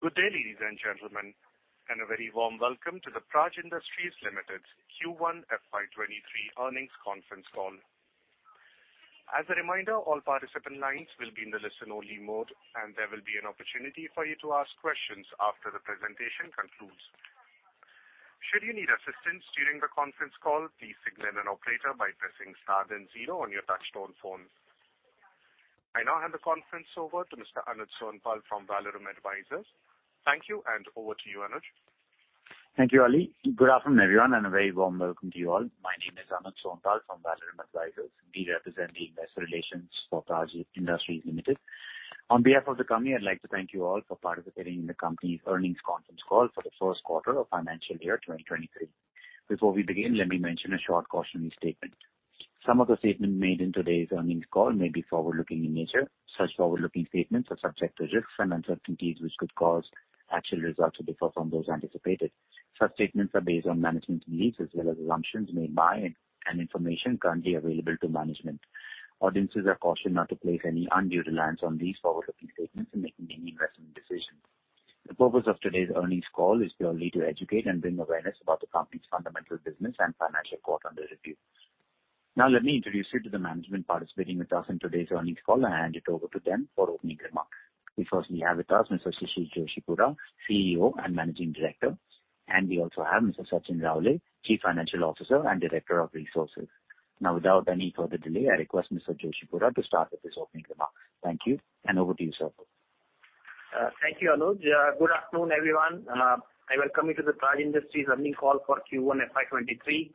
Good day, ladies and gentlemen, and a very warm welcome to the Praj Industries Limited Q1 FY23 earnings conference call. As a reminder, all participant lines will be in the listen-only mode, and there will be an opportunity for you to ask questions after the presentation concludes. Should you need assistance during the conference call, please signal an operator by pressing star then zero on your touchtone phone. I now hand the conference over to Mr. Anuj Sonpal from Valorum Advisors. Thank you and over to you, Anuj. Thank you, Ali. Good afternoon, everyone, and a very warm welcome to you all. My name is Anuj Sonpal from Valorum Advisors. We represent the investor relations for Praj Industries Limited. On behalf of the company, I'd like to thank you all for participating in the company's earnings conference call for the first quarter of financial year 2023. Before we begin, let me mention a short cautionary statement. Some of the statements made in today's earnings call may be forward-looking in nature. Such forward-looking statements are subject to risks and uncertainties which could cause actual results to differ from those anticipated. Such statements are based on management's beliefs as well as assumptions made by and information currently available to management. Audiences are cautioned not to place any undue reliance on these forward-looking statements in making any investment decisions. The purpose of today's earnings call is purely to educate and bring awareness about the company's fundamental business and financial quarter under review. Now let me introduce you to the management participating with us in today's earnings call and hand it over to them for opening remarks. We first have with us Mr. Shishir Joshipura, CEO and Managing Director, and we also have Mr. Sachin Raole, Chief Financial Officer and Director of Resources. Now, without any further delay, I request Mr. Joshipura to start with his opening remarks. Thank you and over to you, sir. Thank you, Anuj. Good afternoon, everyone. I welcome you to the Praj Industries earnings call for Q1 FY 2023.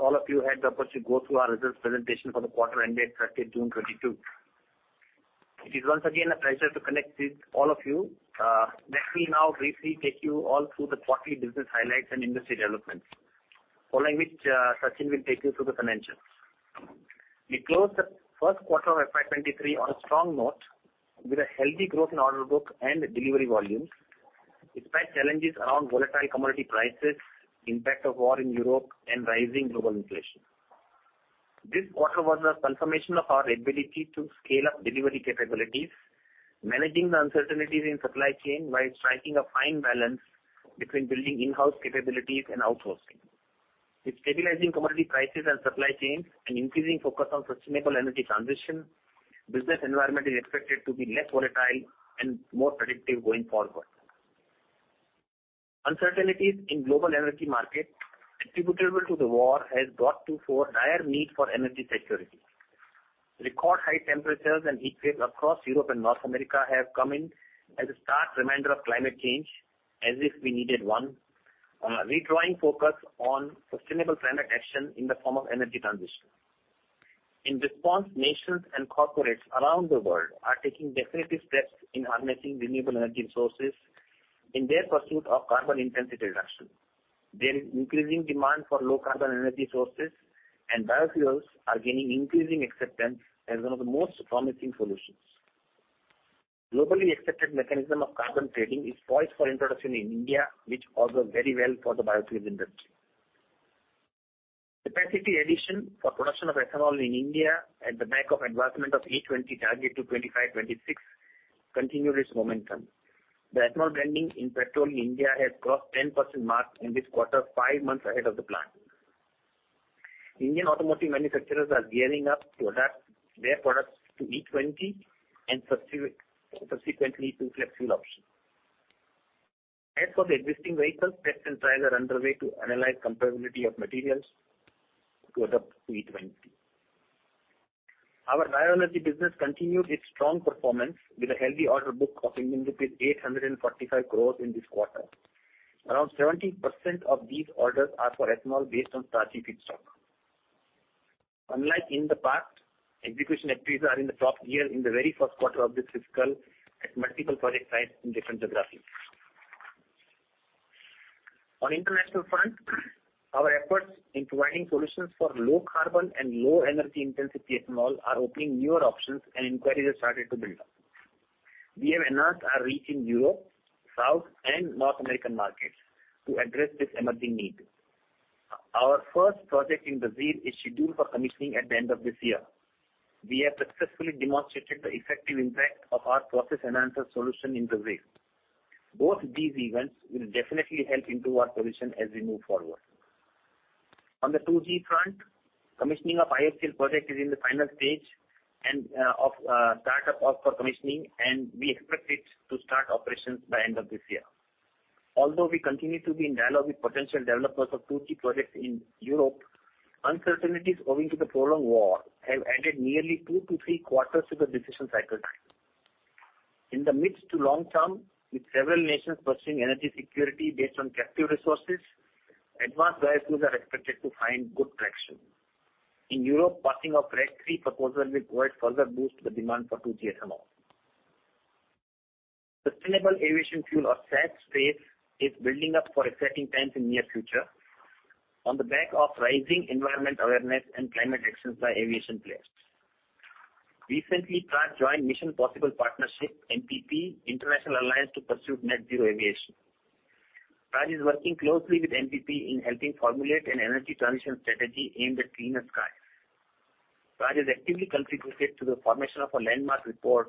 All of you had the opportunity to go through our results presentation for the quarter ended 30 June 2022. It is once again a pleasure to connect with all of you. Let me now briefly take you all through the quarterly business highlights and industry developments, following which, Sachin will take you through the financials. We closed the first quarter of FY 2023 on a strong note with a healthy growth in order book and delivery volumes, despite challenges around volatile commodity prices, impact of war in Europe and rising global inflation. This quarter was a confirmation of our ability to scale up delivery capabilities, managing the uncertainties in supply chain while striking a fine balance between building in-house capabilities and outsourcing. With stabilizing commodity prices and supply chains and increasing focus on sustainable energy transition, business environment is expected to be less volatile and more predictive going forward. Uncertainties in global energy market attributable to the war has brought to fore higher need for energy security. Record high temperatures and heatwaves across Europe and North America have come in as a stark reminder of climate change, as if we needed one, redrawing focus on sustainable climate action in the form of energy transition. In response, nations and corporates around the world are taking definitive steps in harnessing renewable energy sources in their pursuit of carbon intensity reduction. Their increasing demand for low carbon energy sources and biofuels are gaining increasing acceptance as one of the most promising solutions. Globally accepted mechanism of carbon trading is poised for introduction in India, which bodes very well for the biofuels industry. Capacity addition for production of ethanol in India at the back of advancement of E20 target to 2025, 2026 continued its momentum. The ethanol blending in petrol in India has crossed 10% mark in this quarter, five months ahead of the plan. Indian automotive manufacturers are gearing up to adapt their products to E20 and subsequently to flex fuel option. As for the existing vehicles, tests and trials are underway to analyze comparability of materials to adopt to E20. Our bioenergy business continued its strong performance with a healthy order book of Indian rupees 845 crore in this quarter. Around 70% of these orders are for ethanol based on starchy feedstock. Unlike in the past, execution activities are in the top gear in the very first quarter of this fiscal at multiple project sites in different geographies. On international front, our efforts in providing solutions for low carbon and low energy intensity ethanol are opening newer options and inquiries have started to build up. We have enhanced our reach in Europe, South and North American markets to address this emerging need. Our first project in Brazil is scheduled for commissioning at the end of this year. We have successfully demonstrated the effective impact of our process enhancer solution in Brazil. Both these events will definitely help improve our position as we move forward. On the 2G front, commissioning of IFCL project is in the final stage and start up for commissioning, and we expect it to start operations by end of this year. Although we continue to be in dialogue with potential developers of 2G projects in Europe, uncertainties owing to the prolonged war have added nearly 2-3 quarters to the decision cycle time. In the mid- to long-term, with several nations pursuing energy security based on captive resources, advanced biofuels are expected to find good traction. In Europe, passing of RED III proposal will provide further boost to the demand for 2G ethanol. Sustainable Aviation Fuel or SAF space is building up for exciting times in near future on the back of rising environmental awareness and climate actions by aviation players. Recently, Praj joined Mission Possible Partnership, MPP, international alliance to pursue net zero aviation. Praj is working closely with MPP in helping formulate an energy transition strategy aimed at cleaner sky. Praj is actively contributing to the formation of a landmark report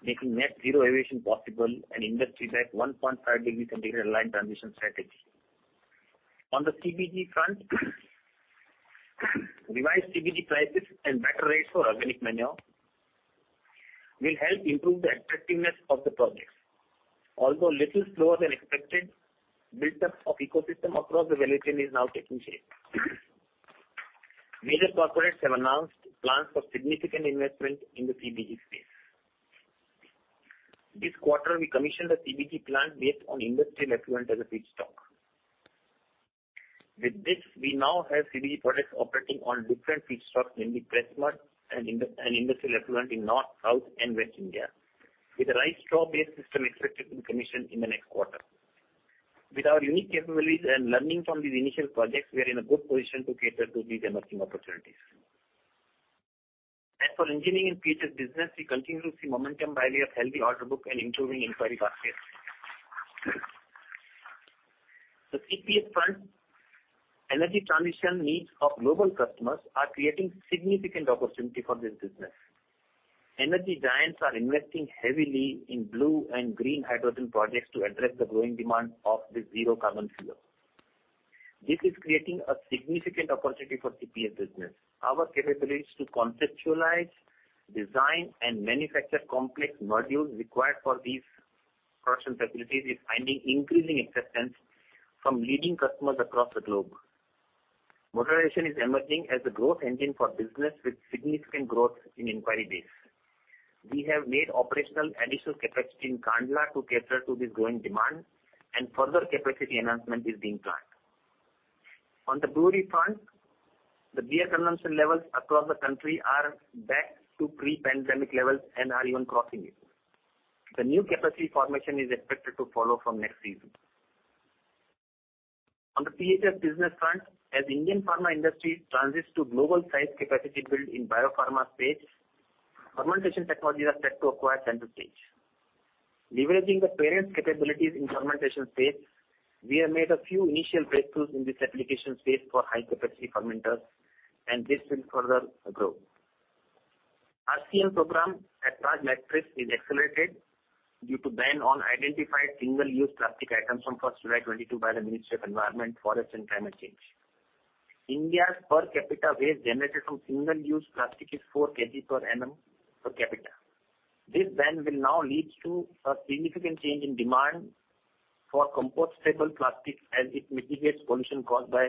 making net zero aviation possible, an industry-backed 1.5 degrees Celsius aligned transition strategy. On the CBG front, revised CBG prices and better rates for organic manure will help improve the attractiveness of the projects. Although a little slower than expected, build-up of ecosystem across the value chain is now taking shape. Major corporates have announced plans for significant investment in the CBG space. This quarter, we commissioned a CBG plant based on industrial effluent as a feedstock. With this, we now have CBG products operating on different feedstocks, namely pressmud and industrial effluent in North, South, and West India, with a rice straw-based system expected in commission in the next quarter. With our unique capabilities and learning from these initial projects, we are in a good position to cater to these emerging opportunities. As for engineering and featured business, we continue to see momentum via a healthy order book and improving inquiry baskets. On the CPS front, energy transition needs of global customers are creating significant opportunity for this business. Energy giants are investing heavily in blue and green hydrogen projects to address the growing demand for the zero-carbon fuel. This is creating a significant opportunity for CPS business. Our capabilities to conceptualize, design, and manufacture complex modules required for these production facilities is finding increasing acceptance from leading customers across the globe. Modularization is emerging as a growth engine for business with significant growth in inquiry base. We have made operational additional capacity in Kandla to cater to this growing demand and further capacity enhancement is being planned. On the brewery front, the beer consumption levels across the country are back to pre-pandemic levels and are even crossing it. The new capacity formation is expected to follow from next season. On the PHS business front, as Indian pharma industry transits to global size capacity build in biopharma space, fermentation technologies are set to acquire center stage. Leveraging the parent's capabilities in fermentation space, we have made a few initial breakthroughs in this application space for high capacity fermenters, and this will further grow. RCM program at Praj Matrix is accelerated due to ban on identified single-use plastic items from July 1, 2022 by the Ministry of Environment, Forest and Climate Change. India's per capita waste generated from single-use plastic is 4 kg per annum per capita. This ban will now lead to a significant change in demand for compostable plastics as it mitigates pollution caused by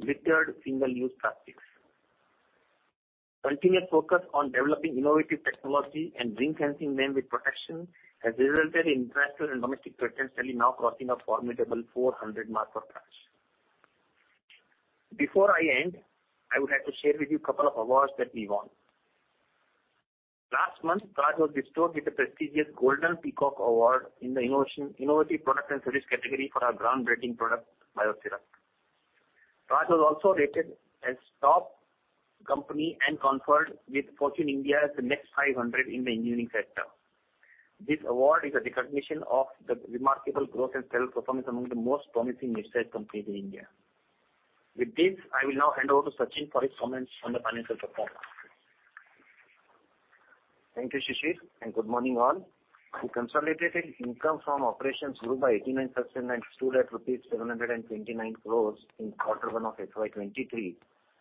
littered single-use plastics. Continuous focus on developing innovative technology and enhancing membrane protection has resulted in international and domestic presence currently now crossing a formidable 400 mark for Praj. Before I end, I would like to share with you a couple of awards that we won. Last month, Praj was bestowed with the prestigious Golden Peacock Award in the innovative product and service category for our groundbreaking product, BioCera. Praj was also rated as top company and conferred with Fortune India Next 500 in the engineering sector. This award is a recognition of the remarkable growth and sales performance among the most promising listed companies in India. With this, I will now hand over to Sachin for his comments on the financial performance. Thank you, Shishir, and good morning, all. The consolidated income from operations grew by 89% and stood at rupees 729 crore in quarter 1 of FY 2023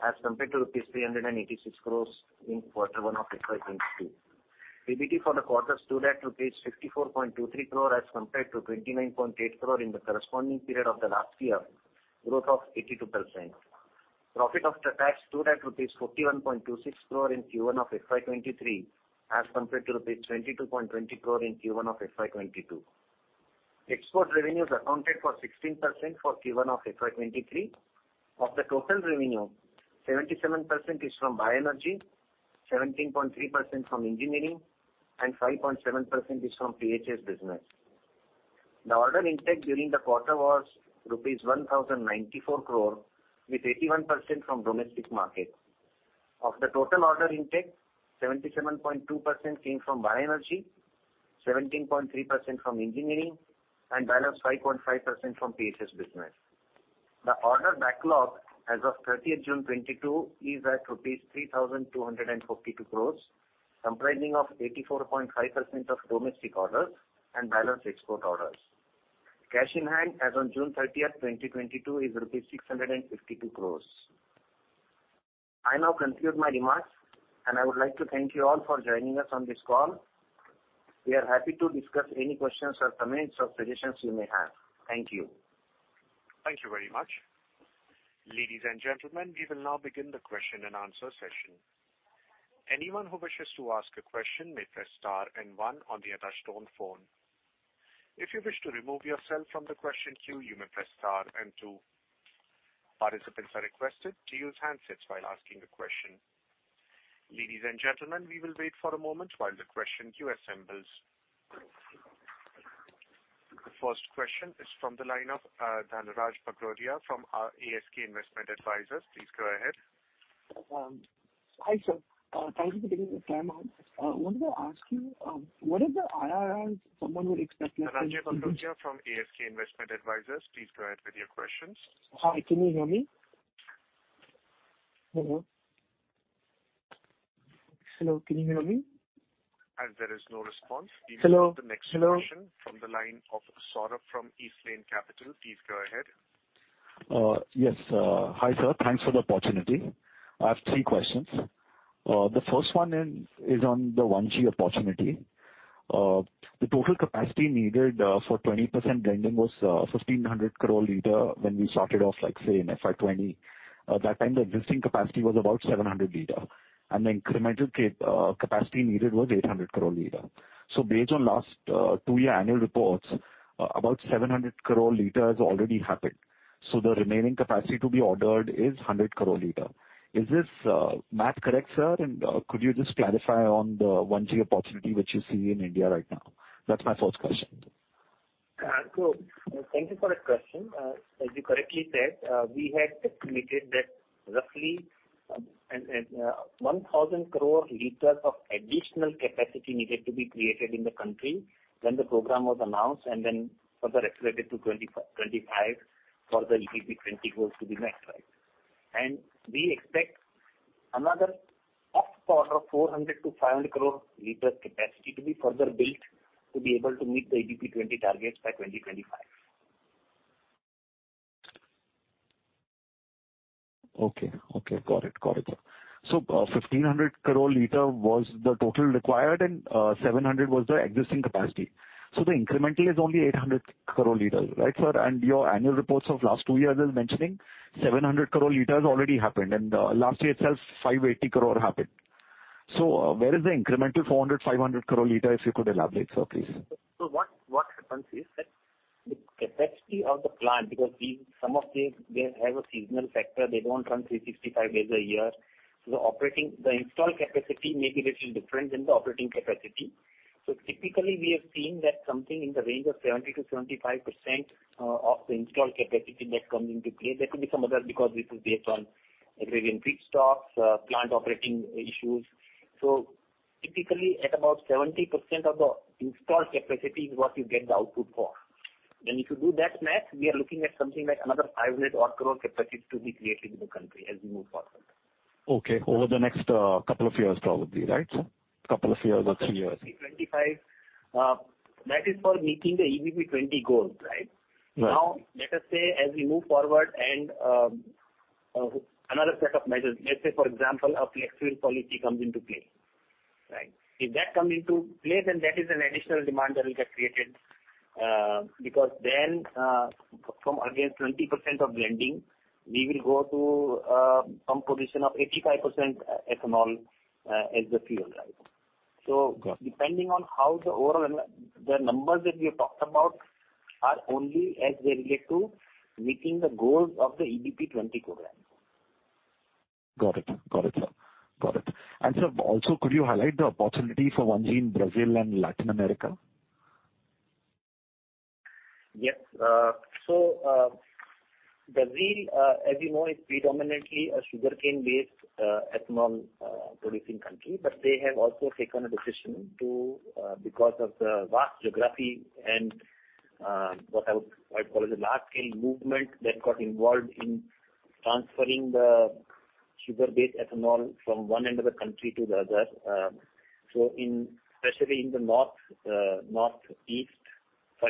as compared to rupees 386 crore in quarter 1 of FY 2022. PBT for the quarter stood at rupees 54.23 crore as compared to 29.8 crore in the corresponding period of the last year, growth of 82%. Profit after tax stood at INR 41.26 crore in Q1 of FY 2023 as compared to 22.20 crore in Q1 of FY 2022. Export revenues accounted for 16% for Q1 of FY 2023. Of the total revenue, 77% is from bioenergy, 17.3% from engineering, and 5.7% is from PHS business. The order intake during the quarter was rupees 1,094 crore with 81% from domestic market. Of the total order intake, 77.2% came from bioenergy, 17.3% from engineering, and balance 5.5% from PHS business. The order backlog as of 30th June 2022 is at rupees 3,242 crore, comprising 84.5% of domestic orders and balance export orders. Cash in hand as on June 30th, 2022 is 652 crore rupees. I now conclude my remarks, and I would like to thank you all for joining us on this call. We are happy to discuss any questions or comments or suggestions you may have. Thank you. Thank you very much. Ladies and gentlemen, we will now begin the question and answer session. Anyone who wishes to ask a question may press star and one on your touchtone phone. If you wish to remove yourself from the question queue, you may press star and two. Participants are requested to use handsets while asking a question. Ladies and gentlemen, we will wait for a moment while the question queue assembles. The first question is from the line of Dhananjai Bagrodia from Alchemy Capital Management. Please go ahead. Hi, sir. Thank you for giving me the time out. Wanted to ask you, what is the IRRs someone would expect? Dhananjai Bagrodia from Alchemy Capital Management, please go ahead with your questions. Hi, can you hear me? Hello? Hello, can you hear me? As there is no response, we will. Hello? Move to the next question from the line of Saurabh from East Lane Capital. Please go ahead. Yes. Hi, sir. Thanks for the opportunity. I have three questions. The first one is on the 1G opportunity. The total capacity needed for 20% blending was 1,500 crore liters when we started off like, say, in FY 2020. That time the existing capacity was about 700 crore liters, and the incremental capacity needed was 800 crore liters. Based on last two-year annual reports, about 700 crore liters already happened. The remaining capacity to be ordered is 100 crore liters. Is this math correct, sir? Could you just clarify on the 1G opportunity which you see in India right now? That's my first question. Thank you for that question. As you correctly said, we had committed that roughly one thousand crore liters of additional capacity needed to be created in the country when the program was announced and then further extended to 25 for the EBP 20 goals to be met, right? We expect another order of 400-500 crore liter capacity to be further built to be able to meet the EBP 20 targets by 2025. Okay. Got it. 1,500 crore liters was the total required and, 700 was the existing capacity. The incremental is only 800 crore liters, right, sir? Your annual reports of last two years is mentioning 700 crore liters already happened, and, last year itself, 580 crore happened. Where is the incremental 400, 500 crore liters, if you could elaborate, sir, please? What happens is that the capacity of the plant, because some of them, they have a seasonal factor. They don't run 365 days a year. The operating the installed capacity may be little different than the operating capacity. Typically we have seen that something in the range of 70%-75% of the installed capacity that comes into play. There could be some other because this is based on agrarian feedstocks, plant operating issues. Typically at about 70% of the installed capacity is what you get the output for. Then if you do that math, we are looking at something like another 500 odd crore capacity to be created in the country as we move forward. Okay. Over the next couple of years probably, right? Couple of years or three years. 25. That is for meeting the EBP 20 goals, right? Right. Now, let us say, as we move forward and, another set of measures, let's say for example, a flexible policy comes into play, right? If that comes into play, then that is an additional demand that will get created, because then, from again 20% of blending, we will go to, some position of 85%, ethanol, as the fuel, right? So Got it. The numbers that we have talked about are only as they relate to meeting the goals of the EBP 20 program. Got it, sir. Sir, also could you highlight the opportunity for 1G in Brazil and Latin America? Yes. Brazil, as you know, is predominantly a sugarcane-based ethanol producing country. They have also taken a decision to, because of the vast geography and what I would call a large-scale movement that got involved in transferring the sugar-based ethanol from one end of the country to the other. In especially the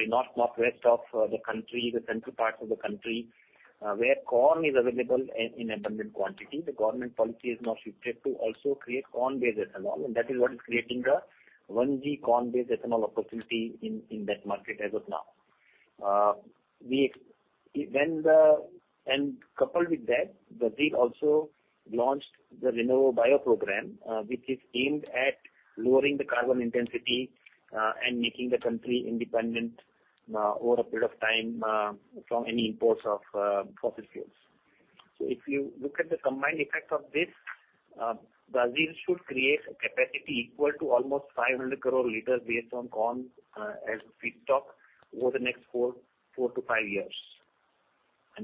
northwest of the country, the central parts of the country, where corn is available in abundant quantity, the government policy is now shifted to also create corn-based ethanol, and that is what is creating a 1G corn-based ethanol opportunity in that market as of now. Coupled with that, Brazil also launched the RenovaBio program, which is aimed at lowering the carbon intensity and making the country independent over a period of time from any imports of fossil fuels. If you look at the combined effect of this, Brazil should create a capacity equal to almost 500 crore liters based on corn as feedstock over the next 4-5 years.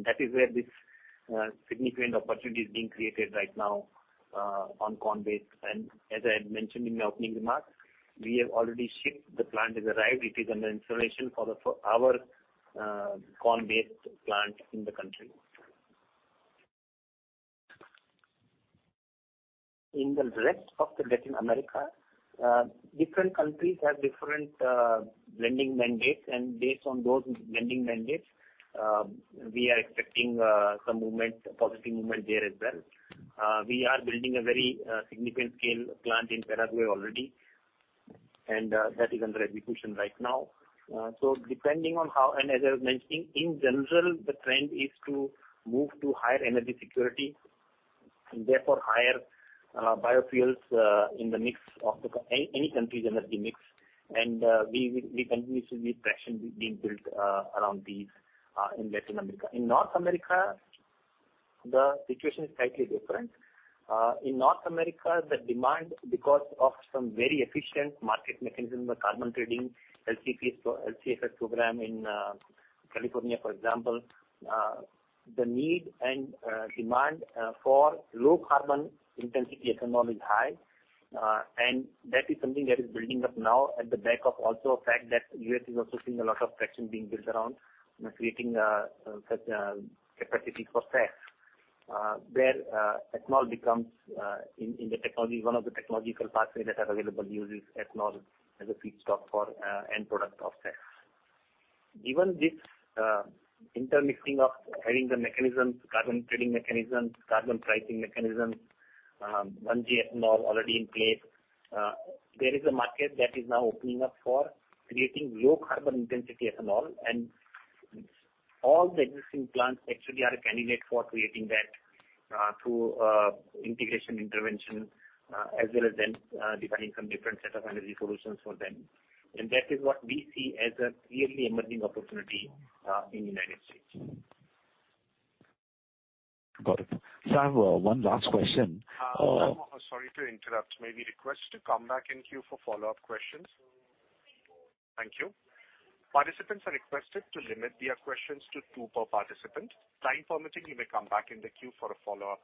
That is where this significant opportunity is being created right now on corn-based. As I had mentioned in my opening remarks, we have already shipped, the plant has arrived. It is under installation for our corn-based plant in the country. In the rest of Latin America, different countries have different blending mandates, and based on those blending mandates, we are expecting some movement, positive movement there as well. We are building a very significant scale plant in Paraguay already, and that is under execution right now. So depending on how and as I was mentioning, in general, the trend is to move to higher energy security and therefore higher biofuels in the mix of any country's energy mix. We continue to see traction being built around these in Latin America. In North America, the situation is slightly different. In North America, the demand because of some very efficient market mechanism, the carbon trading LCFS program in California, for example, the need and demand for low carbon intensity ethanol is high. That is something that is building up now at the back of also a fact that U.S. is also seeing a lot of traction being built around, you know, creating capacity for SAF, where ethanol becomes in the technology, one of the technological pathways that are available uses ethanol as a feedstock for end product of SAF. Even this intermixing of having the mechanisms, carbon trading mechanisms, carbon pricing mechanisms, 1G ethanol already in place, there is a market that is now opening up for creating low carbon intensity ethanol. All the existing plants actually are a candidate for creating that through integration intervention as well as then defining some different set of energy solutions for them. That is what we see as a clearly emerging opportunity in United States. Got it. Sir, I have one last question. Sorry to interrupt. May we request you to come back in queue for follow-up questions. Thank you. Participants are requested to limit their questions to two per participant. Time permitting, you may come back in the queue for a follow-up.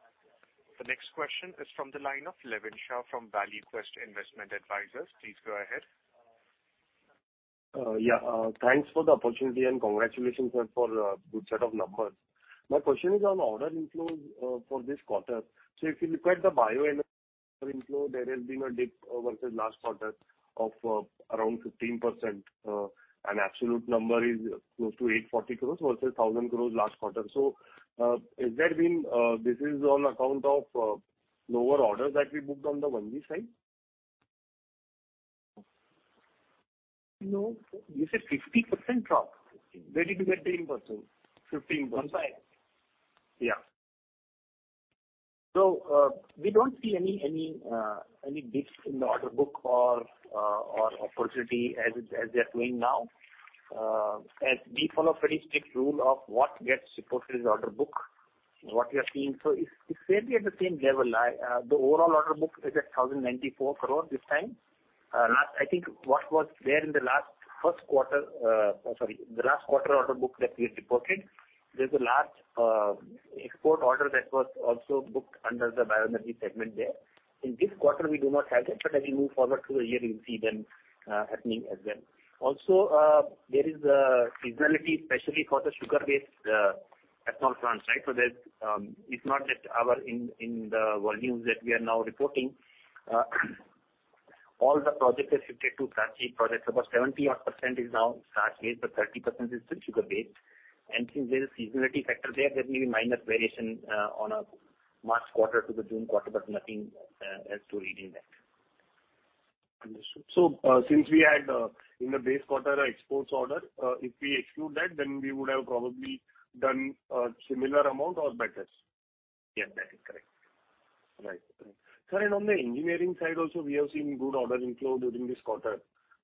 The next question is from the line of Levin Shah from ValueQuest Investment Advisors. Please go ahead. Thanks for the opportunity, and congratulations, sir, for a good set of numbers. My question is on order inflows for this quarter. If you look at the bio energy inflow, there has been a dip versus last quarter of around 15%. An absolute number is close to 840 crore versus 1,000 crore last quarter. Has that been on account of lower orders that we booked on the 1G side? No. You said 50% drop. Where did you get 10%? 15%. I'm sorry. We don't see any dips in the order book or opportunity as it is as we are doing now. As we follow pretty strict rule of what gets reported as order book, what we are seeing. It's fairly at the same level. The overall order book is at 1,094 crores this time. I think what was there in the last quarter order book that we had reported, there is a large export order that was also booked under the bioenergy segment there. In this quarter we do not have that, but as we move forward through the year you'll see them happening as well. Also, there is a seasonality especially for the sugar-based ethanol plants, right? It's not just in the volumes that we are now reporting. All the projects are shifted to starch-based projects. About 70-odd% is now starch-based, but 30% is still sugar-based. Since there is a seasonality factor there may be minor variation on a March quarter to the June quarter, but nothing else to read in that. Understood. Since we had in the base quarter exports order, if we exclude that, then we would have probably done a similar amount or better? that is correct. Right. Sir, and on the engineering side also, we have seen good order inflow during this quarter,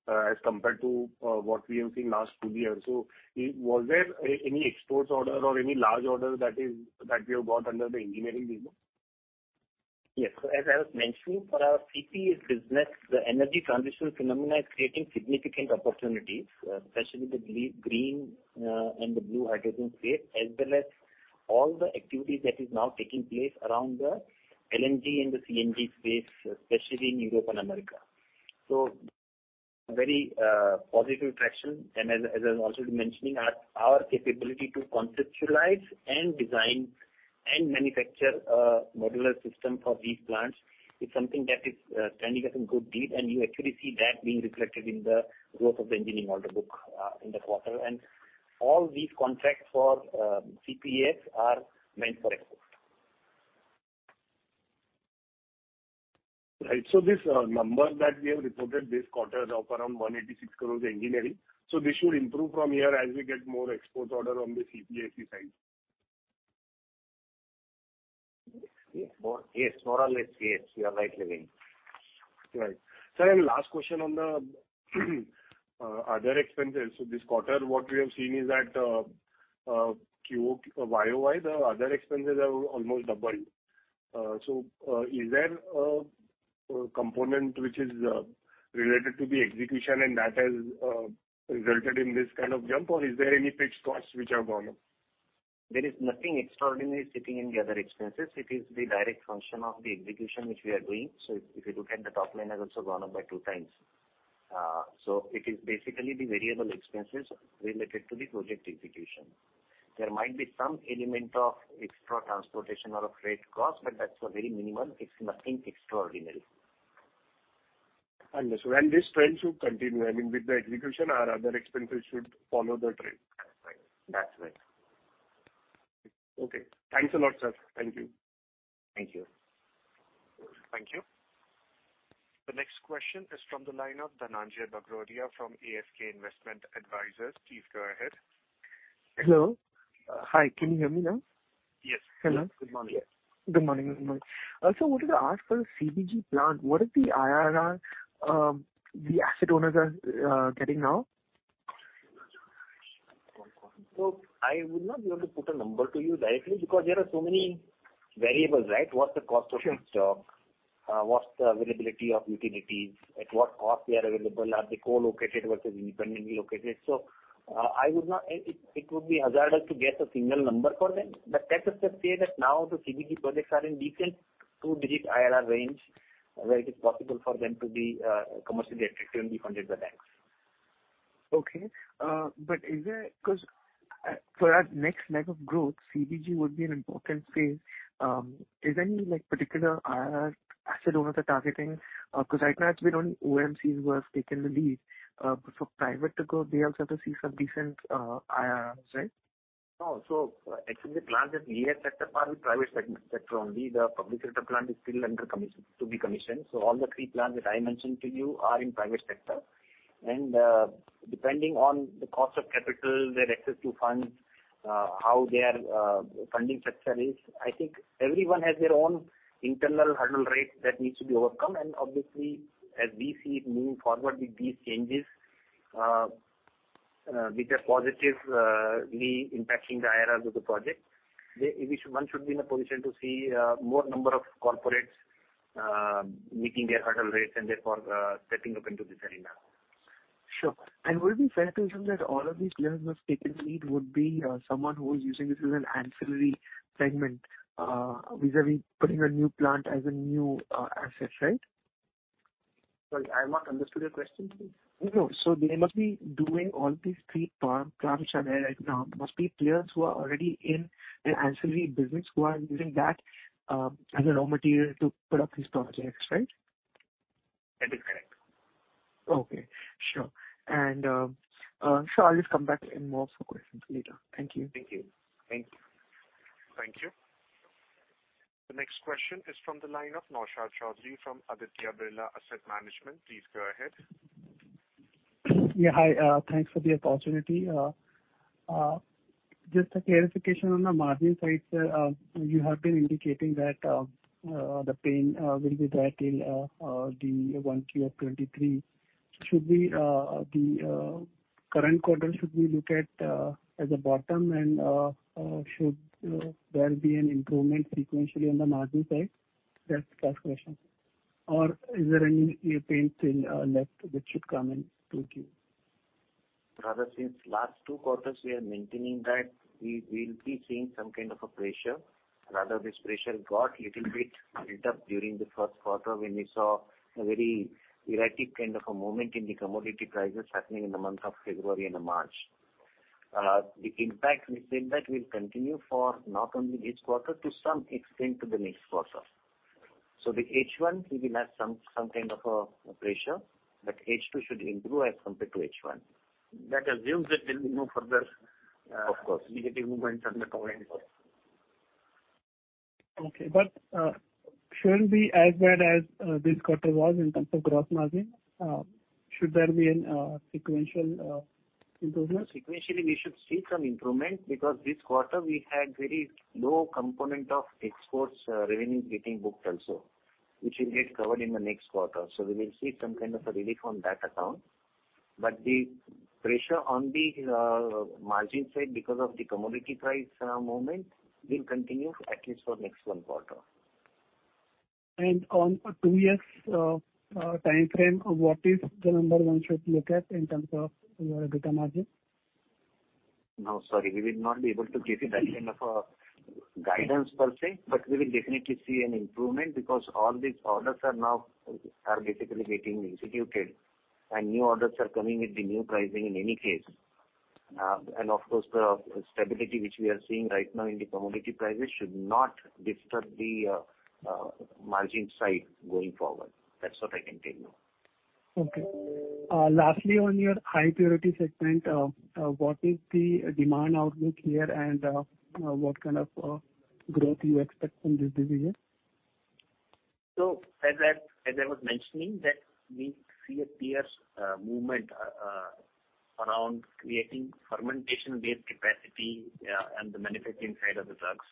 as compared to what we have seen last two years. Was there any exports order or any large order that is, that we have got under the engineering business? Yes. As I was mentioning, for our CPES business, the energy transition phenomena is creating significant opportunities, especially the green and the blue hydrogen space, as well as all the activities that is now taking place around the LNG and the CNG space, especially in Europe and America. Very positive traction. As I was also mentioning, our capability to conceptualize and design and manufacture modular system for these plants is something that is standing us in good stead. You actually see that being reflected in the growth of the engineering order book in the quarter. All these contracts for CPES are meant for export. Right. This number that we have reported this quarter of around 186 crore engineering. This should improve from here as we get more export order on the CPES side. Yes, more or less, yes. You are right, Levin. Right. Sir, last question on the other expenses. This quarter, what we have seen is that YoY, the other expenses have almost doubled. Is there a component which is related to the execution and that has resulted in this kind of jump? Or is there any fixed costs which have gone up? There is nothing extraordinary sitting in the other expenses. It is the direct function of the execution which we are doing. If you look at the top line has also gone up by 2 times. It is basically the variable expenses related to the project execution. There might be some element of extra transportation or a freight cost, but that's a very minimal. It's nothing extraordinary. Understood. This trend should continue. I mean, with the execution, our other expenses should follow the trend. That's right. That's right. Okay. Thanks a lot, sir. Thank you. Thank you. Thank you. The next question is from the line of Dhananjai Bagrodia from Alchemy Capital Management. Please go ahead. Hello. Hi. Can you hear me now? Yes. Hello. Good morning. Good morning. Wanted to ask for the CBG plant, what is the IRR the asset owners are getting now? I would not be able to put a number to you directly because there are so many variables, right? What's the cost of feedstock? Sure. What's the availability of utilities? At what cost they are available? Are they co-located versus independently located? It would be hazardous to get a single number for them. Let us just say that now the CBG projects are in decent two-digit IRR range, where it is possible for them to be commercially attractive and be funded by banks. Okay. Is there cause for our next leg of growth? CBG would be an important space. Is there any, like, particular IRR asset owner they're targeting? 'Cause right now it's been only OMCs who have taken the lead. For private to go, they also have to see some decent IRRs, right? No. Actually, the plant that we have set up are with private sector only. The public sector plant is still to be commissioned. All the 3 plants that I mentioned to you are in private sector. Depending on the cost of capital, their access to funds, how their funding structure is, I think everyone has their own internal hurdle rate that needs to be overcome. Obviously as we see it moving forward with these changes, which are positively impacting the IRR of the project, one should be in a position to see more number of corporates meeting their hurdle rates and therefore stepping up into this arena. Sure. Would it be fair to assume that all of these players who have taken lead would be, someone who is using this as an ancillary segment, vis-a-vis putting a new plant as a new, asset, right? Sorry, I have not understood your question. No, they must be doing all these three plants which are there right now. Must be players who are already in the ancillary business who are using that as a raw material to put up these projects, right? That is correct. Okay, sure. Sure I'll just come back in more for questions later. Thank you. Thank you. Thank you. Thank you. The next question is from the line of Naushad Chaudhary from Aditya Birla Asset Management. Please go ahead. Hi. Thanks for the opportunity. Just a clarification on the margin side. Sir, you have been indicating that the pain will be there till 1Q of 2023. Should we look at the current quarter as a bottom and should there be an improvement sequentially on the margin side? That's the first question. Or is there any pain still left which should come in 2Q? Rather, since last two quarters we are maintaining that we will be seeing some kind of a pressure. Rather this pressure got little bit built up during the first quarter when we saw a very erratic kind of a movement in the commodity prices happening in the month of February and March. The impact, this impact will continue for not only this quarter, to some extent to the next quarter. The H1, we will have some kind of a pressure, but H2 should improve as compared to H1. That assumes that there'll be no further of course. Negative movement on the commodity side. Okay, shouldn't be as bad as this quarter was in terms of gross margin. Should there be a sequential improvement? Sequentially we should see some improvement because this quarter we had very low component of exports, revenues getting booked also, which will get covered in the next quarter. We will see some kind of a relief on that account. The pressure on the margin side because of the commodity price movement will continue at least for next one quarter. On a two years timeframe, what is the number one should look at in terms of your EBITDA margin? No, sorry. We will not be able to give you that kind of a guidance per se, but we will definitely see an improvement because all these orders are now basically getting instituted and new orders are coming with the new pricing in any case. Of course the stability which we are seeing right now in the commodity prices should not disturb the margin side going forward. That's what I can tell you. Okay. Lastly, on your HiPurity segment, what is the demand outlook here and what kind of growth you expect from this division? As I was mentioning that we see a clear movement around creating fermentation-based capacity and the manufacturing side of the drugs,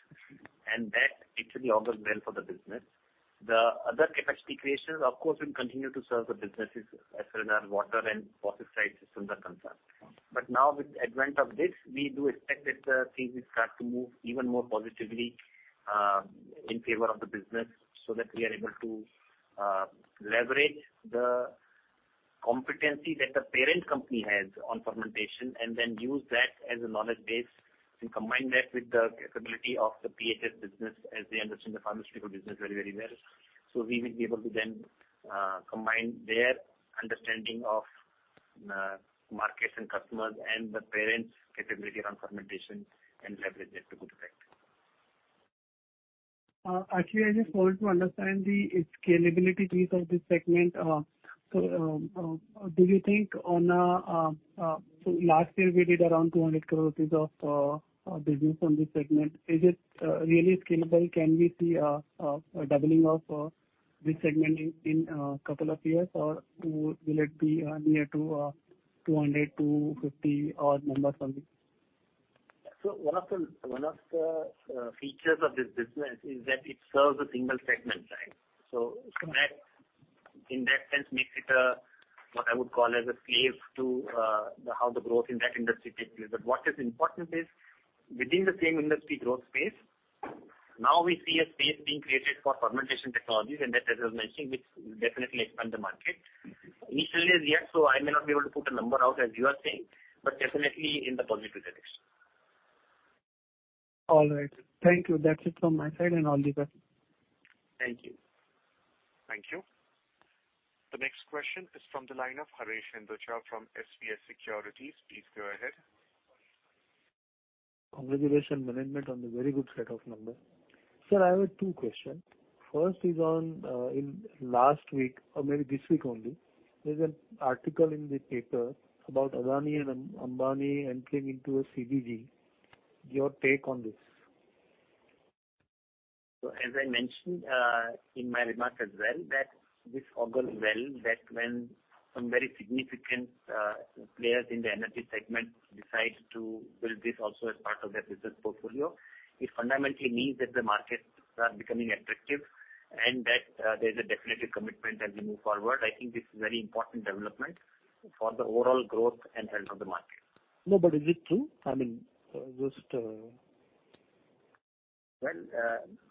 and that it should augur well for the business. The other capacity creation of course will continue to serve the businesses as far as our water and wastewater systems are concerned. Now with the advent of this, we do expect that things will start to move even more positively in favor of the business so that we are able to leverage the competency that the parent company has on fermentation and then use that as a knowledge base and combine that with the capability of the PHS business as they understand the pharmaceutical business very, very well. We will be able to then combine their understanding of markets and customers and the parent's capability around fermentation and leverage that to good effect. Actually, I just want to understand the scalability piece of this segment. Do you think last year we did around 200 crores rupees of business on this segment. Is it really scalable? Can we see a doubling of this segment in a couple of years or will it be near to 200-250 odd numbers only? One of the features of this business is that it serves a single segment, right? That in that sense makes it a, what I would call as a slave to the how the growth in that industry takes place. What is important is within the same industry growth space, now we see a space being created for fermentation technologies and that, as I was mentioning, which will definitely expand the market. Initially it is yes, so I may not be able to put a number out as you are saying, but definitely in the positive direction. All right. Thank you. That's it from my side and all the best. Thank you. Thank you. The next question is from the line of Haresh Hinduja from SBS Securities. Please go ahead. Congratulations management on the very good set of numbers. Sir, I have two questions. First is on, in last week or maybe this week only, there's an article in the paper about Adani and Ambani entering into a CBG. Your take on this. As I mentioned, in my remarks as well, that this augurs well that when some very significant players in the energy segment decide to build this also as part of their business portfolio, it fundamentally means that the markets are becoming attractive and that there is a definitive commitment as we move forward. I think this is very important development for the overall growth and health of the market. No, but is it true? I mean, just. Well,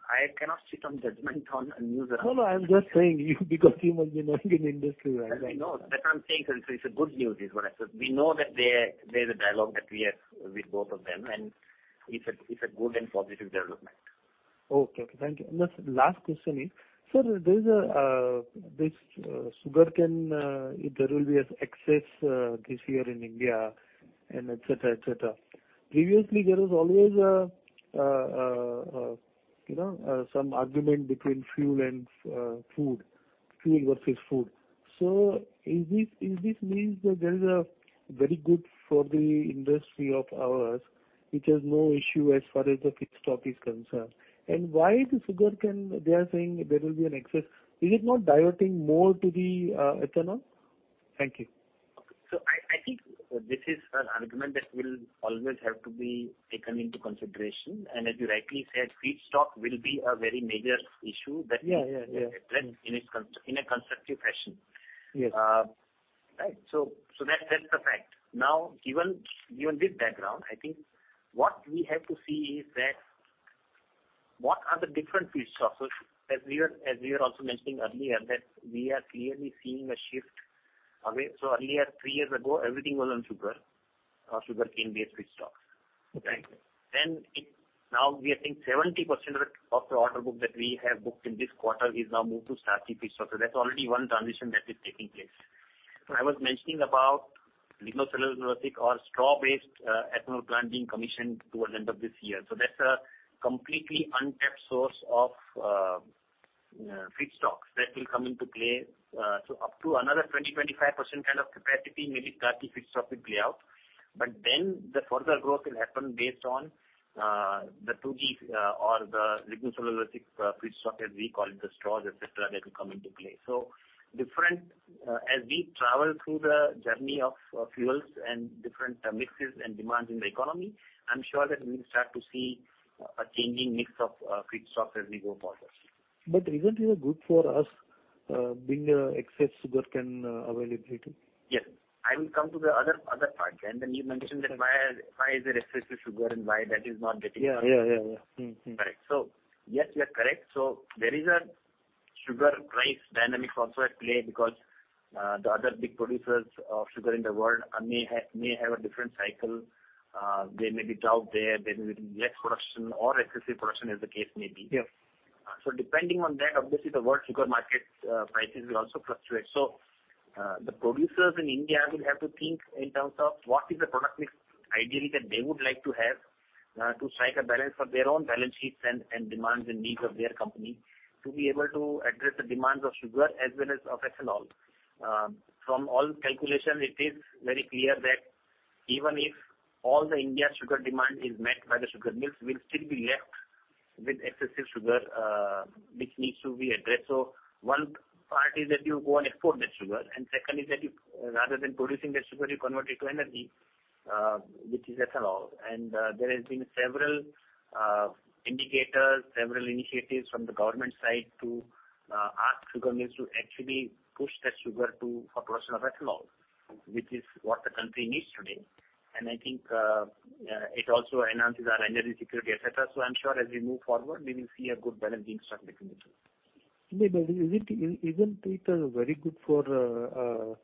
I cannot sit on judgment on a news article. No, no, I'm just saying you, because you must be knowing in industry well. I know. That's what I'm saying, sir. It's a good news, is what I said. We know that there's a dialogue that we have with both of them, and it's a good and positive development. Okay. Thank you. The last question is, sir, there is this sugarcane. There will be an excess this year in India and et cetera, et cetera. Previously, there was always you know some argument between fuel and food. Fuel versus food. So is this means that there is a very good for the industry of ours, which has no issue as far as the feedstock is concerned? Why the sugarcane they are saying there will be an excess? Is it not diverting more to the ethanol? Thank you. I think this is an argument that will always have to be taken into consideration. As you rightly said, feedstock will be a very major issue that will be addressed in a constructive fashion. Yes. Right. That that's the fact. Now, given this background, I think what we have to see is that what are the different feedstocks. As we are also mentioning earlier, that we are clearly seeing a shift away. Earlier, three years ago, everything was on sugar, sugarcane-based feedstock. Okay. Now we are seeing 70% of the order book that we have booked in this quarter is now moved to starchy feedstock. That's already one transition that is taking place. I was mentioning about lignocellulosic or straw-based ethanol plant being commissioned towards the end of this year. That's a completely untapped source of feedstocks that will come into play. Up to another 20-25% kind of capacity, maybe 30% feedstock will play out. The further growth will happen based on the 2G or the lignocellulosic feedstock, as we call it, the straws, et cetera, that will come into play. Different, as we travel through the journey of fuels and different mixes and demands in the economy, I'm sure that we'll start to see a changing mix of feedstock as we go forward. Isn't it a good for us, being an excess sugarcane availability? Yes. I will come to the other part. You mentioned that why is there excessive sugar and why that is not getting. Correct. Yes, you are correct. There is a sugar price dynamics also at play because the other big producers of sugar in the world may have a different cycle. There may be drought there. There may be less production or excessive production, as the case may be. Yes. Depending on that, obviously the world sugar market prices will also fluctuate. The producers in India will have to think in terms of what is the product mix ideally that they would like to have, to strike a balance for their own balance sheets and demands and needs of their company to be able to address the demands of sugar as well as of ethanol. From all calculations, it is very clear that even if all the Indian sugar demand is met by the sugar mills, we'll still be left with excessive sugar, which needs to be addressed. One part is that you go and export that sugar, and second is that you, rather than producing that sugar, you convert it to energy, which is ethanol. There has been several indicators, several initiatives from the government side to ask sugar mills to actually push that sugar to for production of ethanol, which is what the country needs today. I think it also enhances our energy security, et cetera. I'm sure as we move forward, we will see a good balance being struck between the two. Isn't it very good for the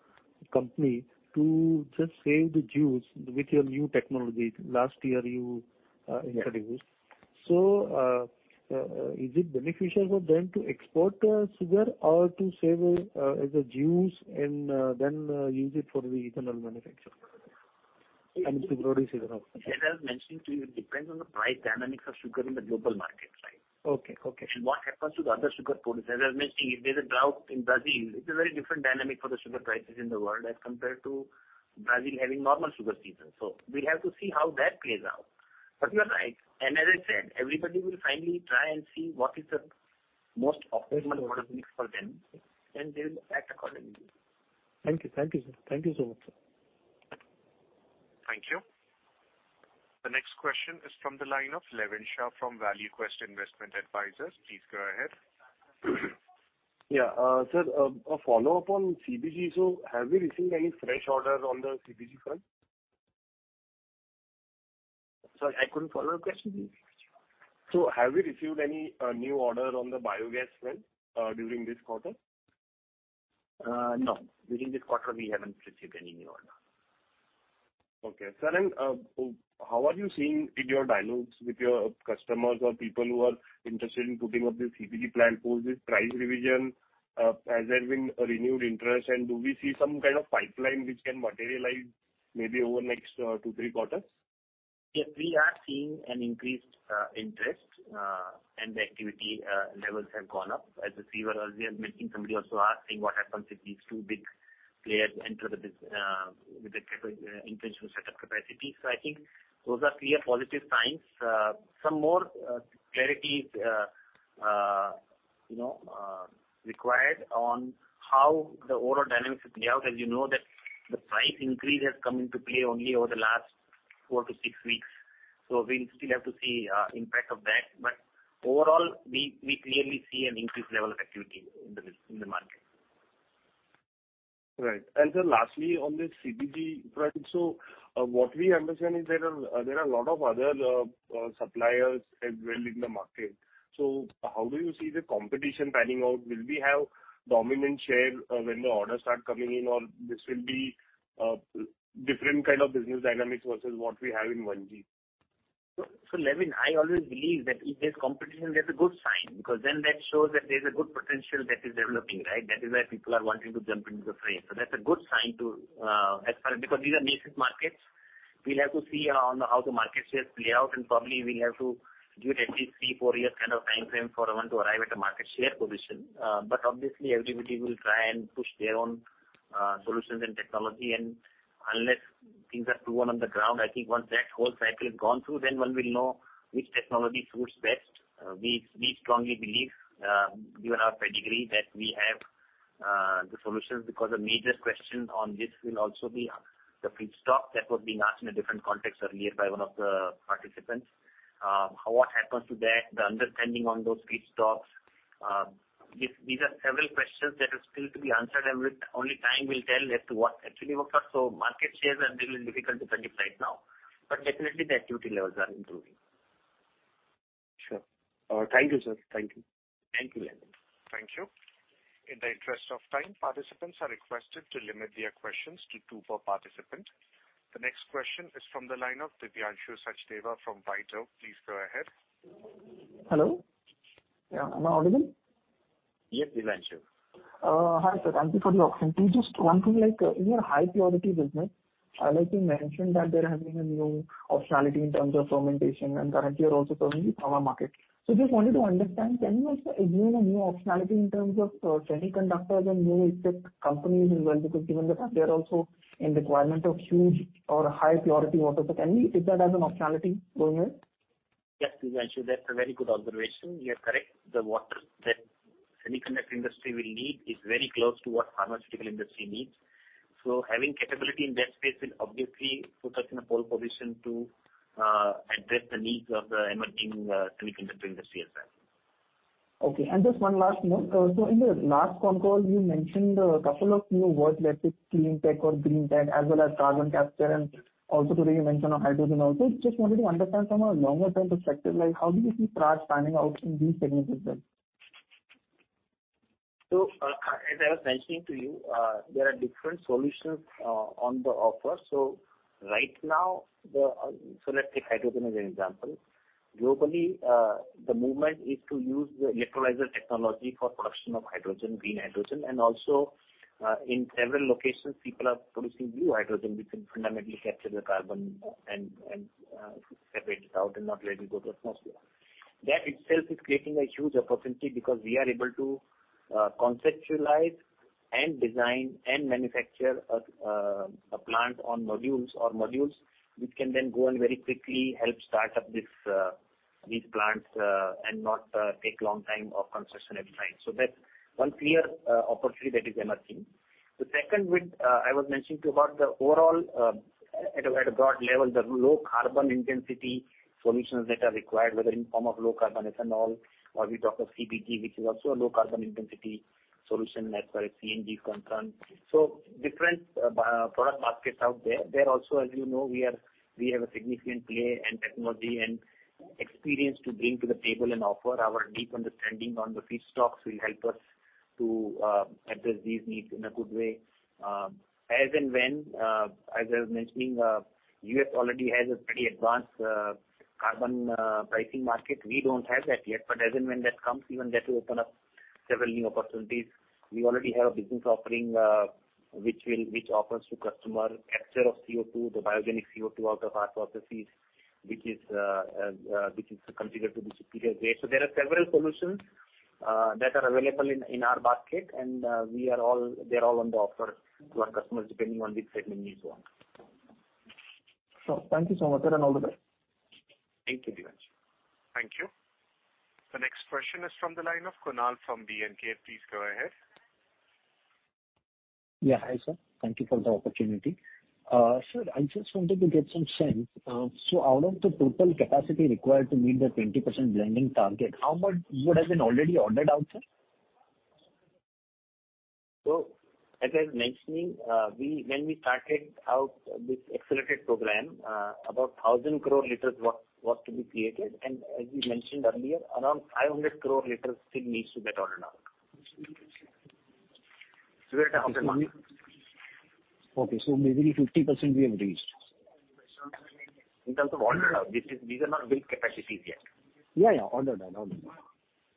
company to just save the juice with your new technology last year you introduced? Is it beneficial for them to export sugar or to save as a juice and then use it for the ethanol manufacture? I mean, sugar or ethanol. As I was mentioning to you, it depends on the price dynamics of sugar in the global market, right? Okay. Okay. What happens to the other sugar producers? As I was mentioning, if there's a drought in Brazil, it's a very different dynamic for the sugar prices in the world as compared to Brazil having normal sugar season. We have to see how that plays out. You are right. As I said, everybody will finally try and see what is the most optimal product mix for them, and they will act accordingly. Thank you. Thank you, sir. Thank you so much, sir. Thank you. The next question is from the line of Levin Shah from ValueQuest Investment Advisors. Please go ahead. Sir, a follow-up on CBG. Have we received any fresh orders on the CBG front? Sorry, I couldn't follow your question please. Have we received any new order on the biogas front during this quarter? No. During this quarter, we haven't received any new order. Okay. Sir, how are you seeing in your dialogues with your customers or people who are interested in putting up this CBG plant post this price revision, has there been a renewed interest and do we see some kind of pipeline which can materialize maybe over next 2, 3 quarters? Yes, we are seeing an increased interest and the activity levels have gone up. As you see, we were earlier mentioning, somebody also asking what happens if these two big players enter the business with the intention to set up capacity. I think those are clear positive signs. Some more clarity is, you know, required on how the overall dynamics will play out. As you know that the price increase has come into play only over the last 4-6 weeks. We still have to see impact of that. Overall, we clearly see an increased level of activity in the business in the market. Right. Sir, lastly, on the CBG front, what we understand is there are a lot of other suppliers as well in the market. How do you see the competition panning out? Will we have dominant share when the orders start coming in or this will be different kind of business dynamics versus what we have in 1G? Levin, I always believe that if there's competition, that's a good sign, because then that shows that there's a good potential that is developing, right? That is why people are wanting to jump into the fray. That's a good sign to, as far as. Because these are nascent markets. We'll have to see on how the market shares play out, and probably we'll have to give it at least 3, 4 years kind of timeframe for one to arrive at a market share position. But obviously everybody will try and push their own solutions and technology. Unless things are proven on the ground, I think once that whole cycle is gone through, then one will know which technology suits best. We strongly believe, given our pedigree, that we have the solutions because a major question on this will also be the feedstock that was being asked in a different context earlier by one of the participants. What happens to that, the understanding on those feedstocks. These are several questions that are still to be answered, and only time will tell as to what actually works out. Market shares are a little difficult to predict right now, but definitely the activity levels are improving. Sure. Thank you, sir. Thank you. Thank you, Levin Shah. Thank you. In the interest of time, participants are requested to limit their questions to two per participant. The next question is from the line of Divyanshu Sachdeva from White Oak. Please go ahead. Hello?. Am I audible? Yes, Divyanshu. Hi, sir. Thank you for the opportunity. Just one thing, like, in your high purity business, I like to mention that they're having a new optionality in terms of fermentation, and currently you're also serving the pharma market. Just wanted to understand, can you also explore a new optionality in terms of semiconductors and new tech companies as well? Because given the fact they're also in requirement of huge or high purity water. Can we see that as an optionality going ahead? Yes, Divyanshu, that's a very good observation. You're correct. The water that semiconductor industry will need is very close to what pharmaceutical industry needs. So having capability in that space will obviously put us in a pole position to address the needs of the emerging semiconductor industry as well. Okay. Just one last note. In the last conf call you mentioned a couple of new words like clean tech or green tech as well as carbon capture, and also today you mentioned of hydrogen also. Just wanted to understand from a longer term perspective, like how do you see Praj panning out in these segments as well? As I was mentioning to you, there are different solutions on the offer. Right now, let's take hydrogen as an example. Globally, the movement is to use the electrolyzer technology for production of hydrogen, green hydrogen, and also, in several locations, people are producing blue hydrogen, which can fundamentally capture the carbon and separate it out and not let it go to atmosphere. That itself is creating a huge opportunity because we are able to conceptualize and design and manufacture a plant on modules or modules which can then go and very quickly help start up these plants and not take long time of construction every time. That's one clear opportunity that is emerging. The second bit, I was mentioning to you about the overall, at a broad level, the low carbon intensity solutions that are required, whether in form of low carbon ethanol or we talk of CBG, which is also a low carbon intensity solution as far as CNG is concerned. Different, by-product markets out there. There also, as you know, we have a significant play and technology and experience to bring to the table and offer. Our deep understanding on the feedstocks will help us to address these needs in a good way. As and when, as I was mentioning, the U.S. already has a pretty advanced carbon pricing market. We don't have that yet, but as and when that comes, even that will open up several new opportunities. We already have a business offering which offers customers capture of CO2, the biogenic CO2 out of our processes, which is considered to be superior grade. There are several solutions that are available in our basket, and they're all on the offer to our customers depending on which segment needs what. Sure. Thank you so much, sir, and all the best. Thank you, Divyanshu. Thank you. The next question is from the line of Kunal from B&K. Please go ahead. Hi, sir. Thank you for the opportunity. Sir, I just wanted to get some sense. Out of the total capacity required to meet the 20% blending target, how much would have been already ordered out, sir? As I was mentioning, when we started out this accelerated program, about 1,000 crore liters was to be created. As we mentioned earlier, around 500 crore liters still needs to get ordered out. Okay. Maybe 50% we have reached. In terms of order, these are not built capacities yet.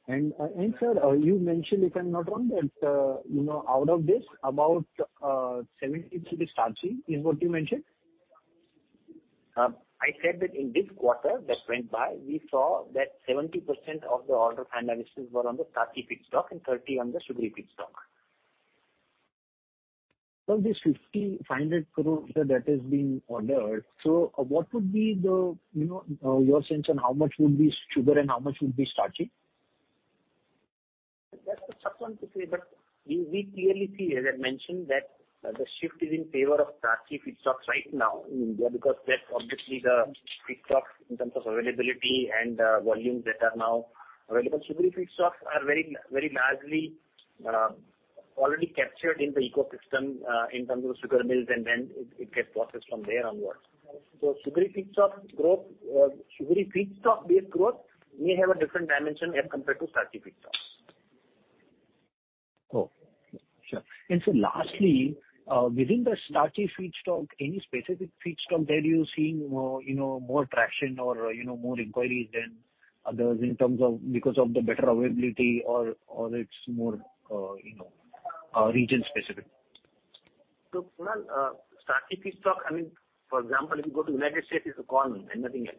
Order. Sir, you mentioned, if I'm not wrong, that you know, out of this, about 70 should be starchy, is what you mentioned? I said that in this quarter that went by, we saw that 70% of the order finalizations were on the starchy feedstock and 30 on the sugary feedstock. This 550 crore that has been ordered. What would be the, you know, your sense on how much would be sugar and how much would be starchy? That's a tough one to say, but we clearly see, as I mentioned, that the shift is in favor of starchy feedstocks right now in India, because that's obviously the feedstock in terms of availability and volumes that are now available. Sugary feedstocks are very, very largely already captured in the ecosystem in terms of sugar mills, and then it gets processed from there onwards. Sugary feedstock growth, sugary feedstock-based growth may have a different dimension as compared to starchy feedstock. Oh, sure. Lastly, within the starchy feedstock, any specific feedstock that you're seeing more, you know, more traction or, you know, more inquiries than others in terms of because of the better availability or, it's more, you know, region-specific? Look, well, starchy feedstock, I mean, for example, if you go to the United States, it's corn and nothing else.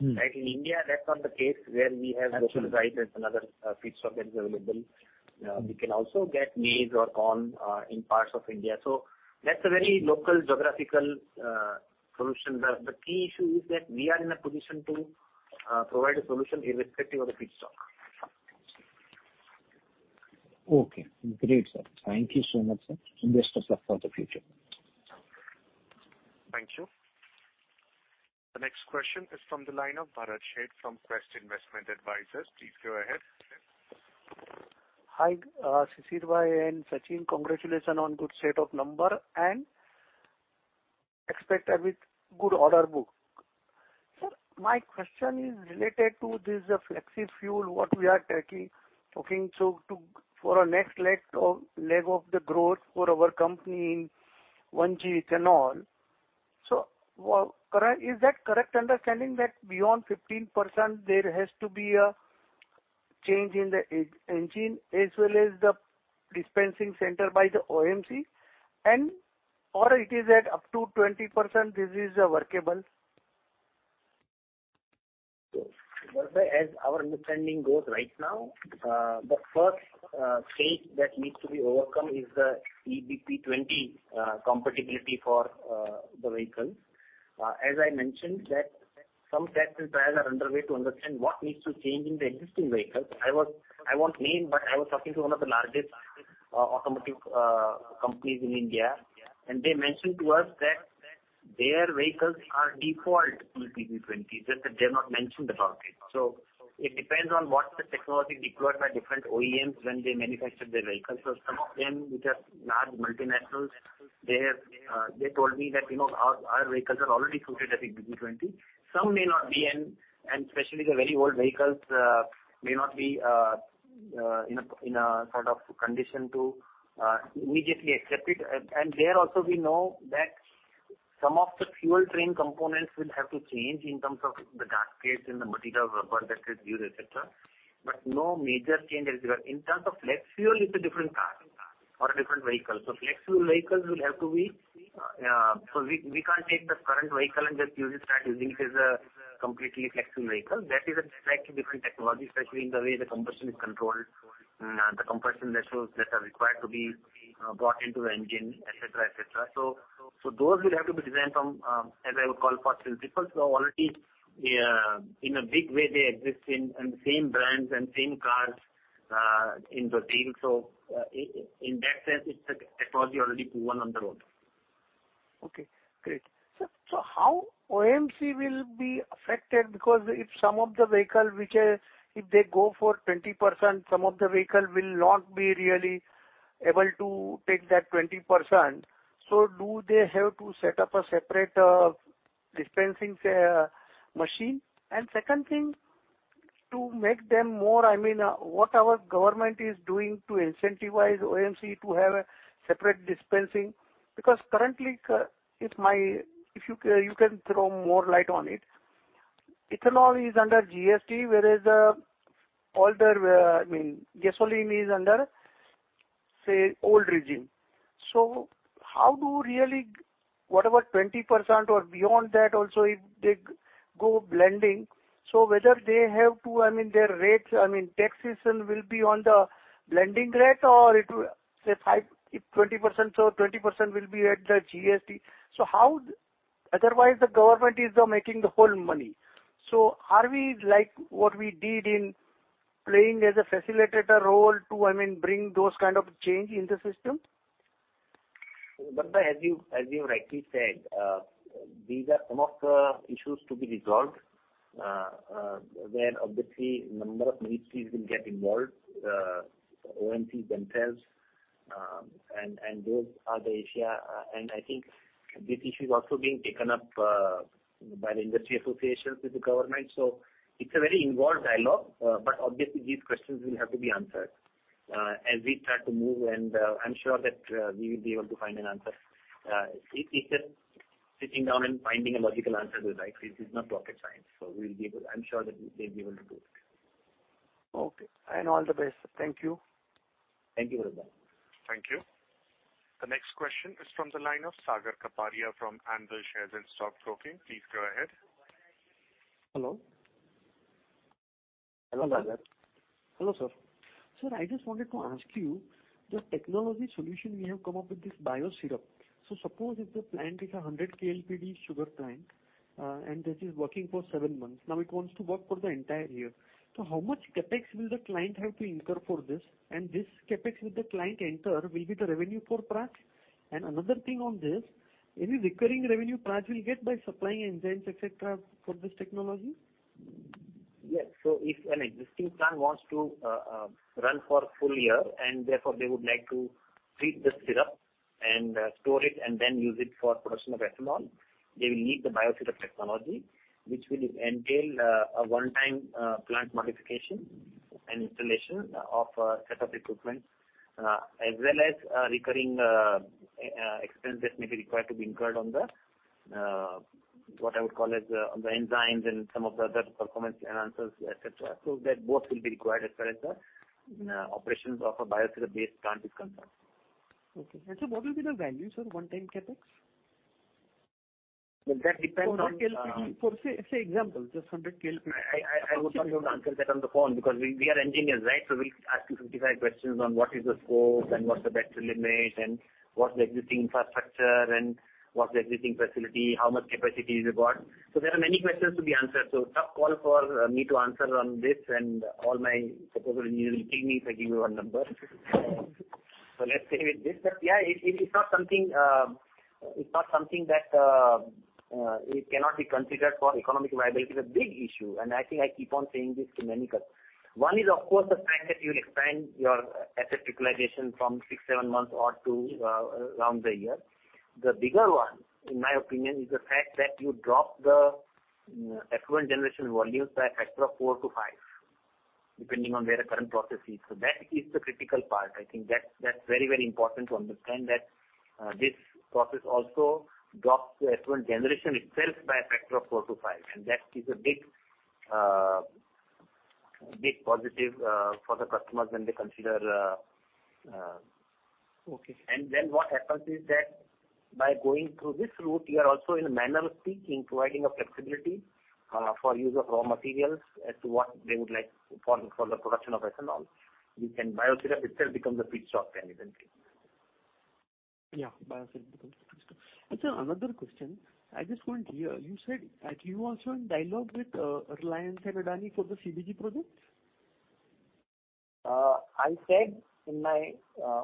Right? In India, that's not the case where we have. Absolutely. Sugarcane as another feedstock that is available. We can also get maize or corn in parts of India. That's a very local geographical solution. The key issue is that we are in a position to provide a solution irrespective of the feedstock. Okay. Great, sir. Thank you so much, sir. Best of luck for the future. Thank you. The next question is from the line of Bharat Sheth from Quest Investment Advisors. Please go ahead. Hi, Shishir Joshipura and Sachin Raole. Congratulations on good set of numbers and expect a bigger order book. Sir, my question is related to this flex fuel, what we are talking, for our next leg of the growth for our company in 1G and all. Current is that correct understanding that beyond 15% there has to be a change in the engine as well as the dispensing center by the OMC, and/or it is up to 20%, this is workable? As our understanding goes right now, the first stage that needs to be overcome is the EBP 20 compatibility for the vehicles. As I mentioned that some tests and trials are underway to understand what needs to change in the existing vehicles. I won't name, but I was talking to one of the largest automotive companies in India, and they mentioned to us that their vehicles are default EBP 20, just that they've not mentioned about it. It depends on what the technology deployed by different OEMs when they manufacture their vehicles. Some of them, which are large multinationals, told me that, you know, our vehicles are already suited as EBP 20. Some may not be and especially the very old vehicles may not be in a sort of condition to immediately accept it. There also we know that some of the fuel train components will have to change in terms of the gas gauge and the material of rubber that is used, et cetera. No major change is required. In terms of flex fuel, it's a different car or a different vehicle. Flex fuel vehicles will have to be so we can't take the current vehicle and just start using it as a completely flex fuel vehicle. That is a slightly different technology, especially in the way the combustion is controlled, the compression ratios that are required to be brought into the engine, et cetera, et cetera. Those will have to be designed from, as I would call for since they are already, in a big way they exist in the same brands and same cars, in the field. In that sense, it's a technology already proven on the road. Okay, great. How OMC will be affected because if some of the vehicle which is if they go for 20%, some of the vehicle will not be really able to take that 20%. Do they have to set up a separate dispensing machine? Second thing, to make them more, I mean, what our government is doing to incentivize OMC to have a separate dispensing? Because currently, it might. If you can throw more light on it. Ethanol is under GST, whereas all the, I mean, gasoline is under, say, old regime. How do really. What about 20% or beyond that also if they go blending? Whether they have to, I mean, their rates, I mean, taxation will be on the blending rate or it will say 5, if 20%, so 20% will be at the GST. How, otherwise the government is making the whole money. Are we like what we did in playing as a facilitator role to, I mean, bring those kind of change in the system? As you rightly said, these are some of the issues to be resolved, where obviously number of ministries will get involved, OMC themselves, and those are the issue. I think this issue is also being taken up by the industry associations with the government. It's a very involved dialogue. Obviously these questions will have to be answered as we try to move. I'm sure that we will be able to find an answer. It's just sitting down and finding a logical answer to it, right? This is not rocket science, we'll be able to do it. I'm sure that we'll be able to do it. Okay. All the best. Thank you. Thank you, Bharat. Thank you. The next question is from the line of Sagar Kapadia from Anvil Shares and Stock Broking. Please go ahead. Hello. Hello, Sagar. Hello, sir. Sir, I just wanted to ask you, the technology solution you have come up with this BIOSYRUP. Suppose if the plant is 100 KLPD sugar plant, and this is working for 7 months, now it wants to work for the entire year. How much CapEx will the client have to incur for this? This CapEx that the client incur will be the revenue for Praj? Another thing on this, any recurring revenue Praj will get by supplying enzymes, et cetera, for this technology? Yes. If an existing plant wants to run for a full year, and therefore they would like to treat the syrup and store it, and then use it for production of ethanol, they will need the BIOSYRUP technology, which will entail a one-time plant modification and installation of a set of equipment, as well as recurring expense that may be required to be incurred on the what I would call as the enzymes and some of the other performance enhancers, et cetera. That both will be required as far as the operations of a BIOSYRUP-based plant is concerned. Okay. What will be the value, sir, one time CapEx? Well, that depends on. For example, just 100 KL. I would not be able to answer that on the phone because we are engineers, right? We'll ask you 55 questions on what is the scope and what's the better limit and what's the existing infrastructure and what's the existing facility, how much capacity you've got. There are many questions to be answered. Tough call for me to answer on this and all my technical engineers will kill me if I give you a number. Let's stay with this., it's not something that it cannot be considered for economic viability is a big issue. I think I keep on saying this to many customers. One is of course the fact that you expand your asset utilization from 6-7 months to around the year. The bigger one, in my opinion, is the fact that you drop the effluent generation volumes by a factor of 4-5, depending on where the current process is. That is the critical part. I think that's very, very important to understand that this process also drops the effluent generation itself by a factor of 4-5. That is a big positive for the customers when they consider. Okay. What happens is that by going through this route, we are also in a manner of speaking, providing a flexibility for use of raw materials as to what they would like for the production of ethanol. BIOSYRUP itself becomes a pit stop then eventually. BIOSYRUP becomes a pit stop. Sir, another question. I just couldn't hear. You said that you also in dialogue with Reliance and Adani for the CBG projects? I said in my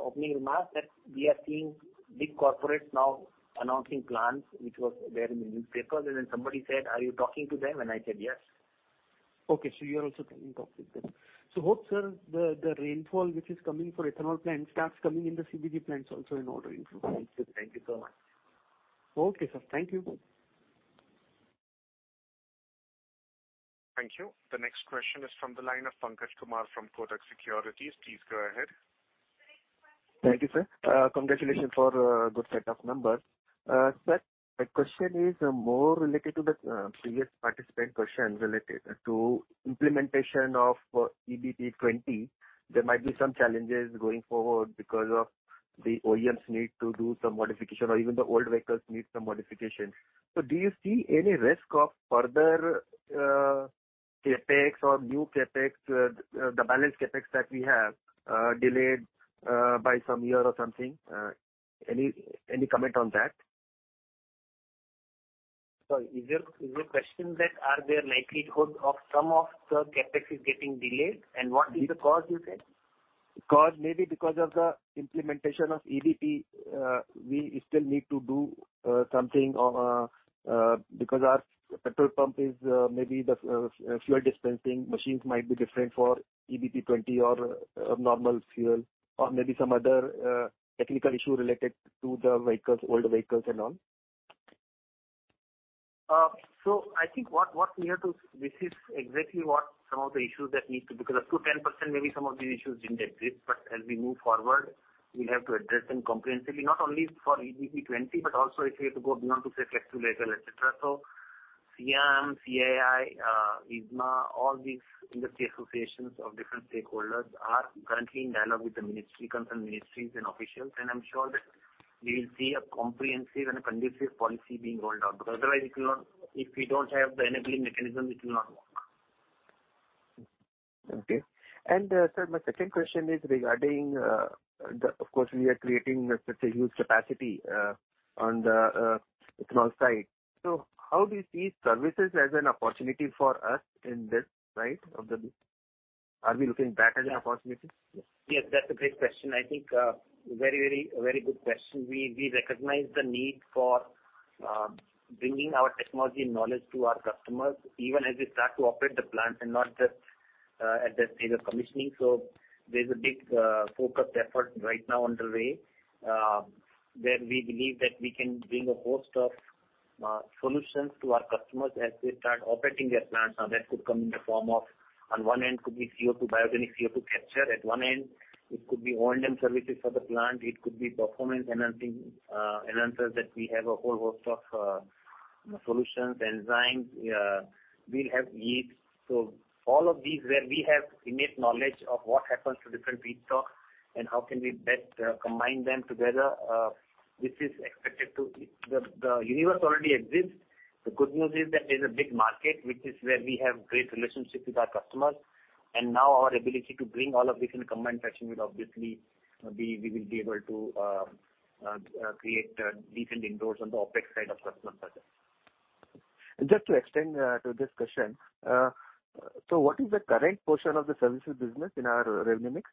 opening remarks that we are seeing big corporates now announcing plans, which was there in the newspapers. Somebody said, "Are you talking to them?" I said, "Yes. Okay. You are also in talks with them. Hope, sir, the order flow which is coming for ethanol plants starts coming in the CBG plants also in order to- Thank you. Thank you so much. Okay, sir. Thank you. Thank you. The next question is from the line of Pankaj Kumar from Kotak Securities. Please go ahead. Thank you, sir. Congratulations for good set of numbers. Sir, my question is more related to the previous participant question related to implementation of EBP 20. There might be some challenges going forward because of the OEMs need to do some modification or even the old vehicles need some modification. Do you see any risk of further CapEx or new CapEx, the balanced CapEx that we have delayed by some year or something? Any comment on that? Is your question that are there likelihood of some of the CapEx is getting delayed, and what is the cause you said? Maybe because of the implementation of EBP, we still need to do something or because our petrol pump is maybe the fuel dispensing machines might be different for EBP 20 or normal fuel or maybe some other technical issue related to the vehicles, older vehicles and all. This is exactly what some of the issues. Because up to 10% maybe some of these issues didn't exist. As we move forward, we'll have to address them comprehensively, not only for EBP 20, but also if we have to go beyond to say flex fuel et al, et cetera. CII, CAI, ISMA, all these industry associations of different stakeholders are currently in dialogue with the ministry, concerned ministries and officials. I'm sure that we will see a comprehensive and a conducive policy being rolled out. Because otherwise, if we don't have the enabling mechanism, it will not work. Okay. Sir, my second question is regarding. Of course, we are creating such a huge capacity on the ethanol side. How do you see services as an opportunity for us in this, right? Yes, that's a great question. I think a very good question. We recognize the need for bringing our technology and knowledge to our customers, even as we start to operate the plant and not just at that stage of commissioning. There's a big focused effort right now underway, where we believe that we can bring a host of solutions to our customers as they start operating their plants. Now, that could come in the form of, on one end could be CO2, biogenic CO2 capture. At one end it could be O&M services for the plant. It could be performance enhancing enhancers that we have a whole host of solutions, enzymes. We have yields. All of these where we have innate knowledge of what happens to different feedstock and how can we best combine them together. The universe already exists. The good news is that there's a big market, which is where we have great relationships with our customers, and now our ability to bring all of this in combination will obviously be able to create decent inroads on the OpEx side of customer projects. Just to extend to this question. What is the current portion of the services business in our revenue mix?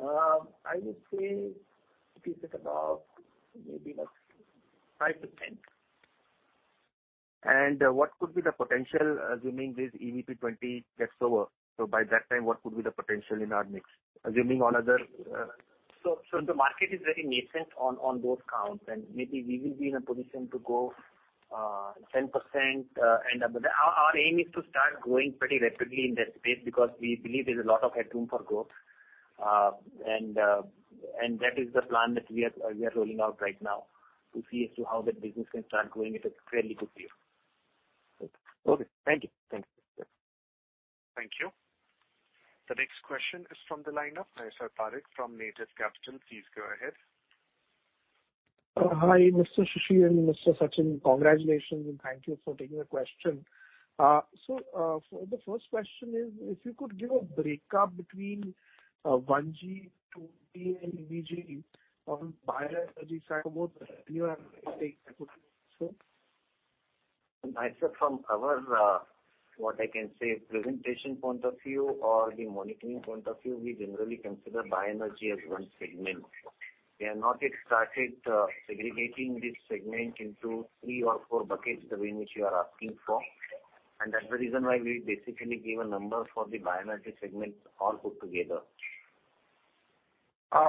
I would say it is at about maybe like 5%. What could be the potential, assuming this E20 gets over? By that time, what could be the potential in our mix, assuming all other, The market is very nascent on both counts. Maybe we will be in a position to go 10%. Our aim is to start growing pretty rapidly in that space because we believe there's a lot of headroom for growth. That is the plan that we are rolling out right now to see as to how that business can start growing at a fairly good pace. Okay. Thank you. Thanks. Thank you. The next question is from the line of Naiser Parikh from Native Capital. Please go ahead. Hi, Mr. Shishir and Mr. Sachin. Congratulations and thank you for taking the question. For the first question is if you could give a breakup between 1G, 2G and CBG from bioenergy side, about revenue and intake. Naiser, from our, what I can say, presentation point of view or the monitoring point of view, we generally consider bioenergy as one segment. We have not yet started, segregating this segment into three or four buckets the way in which you are asking for. That's the reason why we basically gave a number for the bioenergy segment all put together.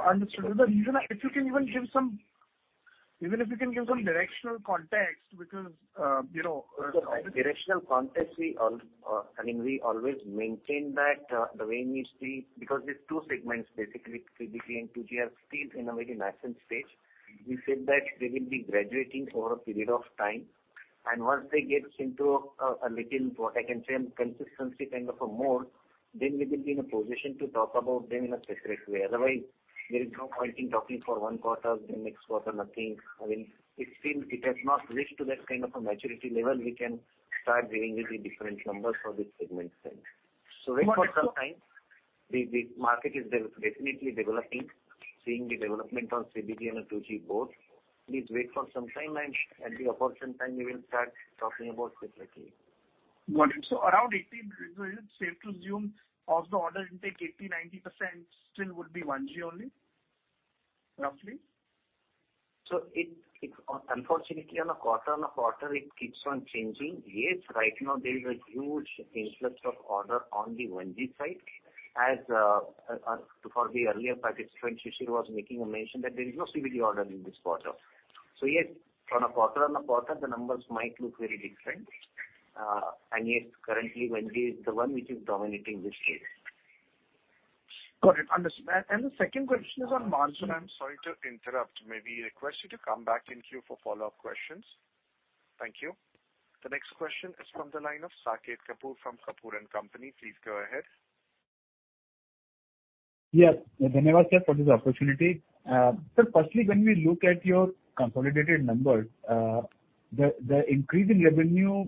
Understood. Even if you can give some directional context, because, you know. Directional context, I mean, we always maintain that the way we see, because these two segments, basically CBG and 2G are still in a very nascent stage. We said that they will be graduating over a period of time, and once they get into a little, what I can say, consistency kind of a mode, then we will be in a position to talk about them in a separate way. Otherwise, there is no point in talking for one quarter, then next quarter nothing. I mean, it's still, it has not reached to that kind of a maturity level we can start giving you the different numbers for these segments then. Got it. Wait for some time. The market is definitely developing. Seeing the development on CBG and 2G both. Please wait for some time and at the opportune time we will start talking about separately. Got it. Around 18, is it safe to assume of the order intake, 80%-90% still would be 1G only, roughly? It's unfortunately on a quarter-on-quarter it keeps on changing. Yes, right now there is a huge influx of orders on the 1G side. For the earlier participant, Shishir was making a mention that there is no CBG order in this quarter. Yes, on a quarter-on-quarter, the numbers might look very different. Yes, currently 1G is the one which is dominating this space. Got it. Understood. The second question is on margin- Sir, I'm sorry to interrupt. May we request you to come back in queue for follow-up questions? Thank you. The next question is from the line of Saket Kapoor from Kapoor & Company. Please go ahead. Yes. Thank you very much, sir, for this opportunity. Sir, firstly, when we look at your consolidated numbers, the increase in revenue,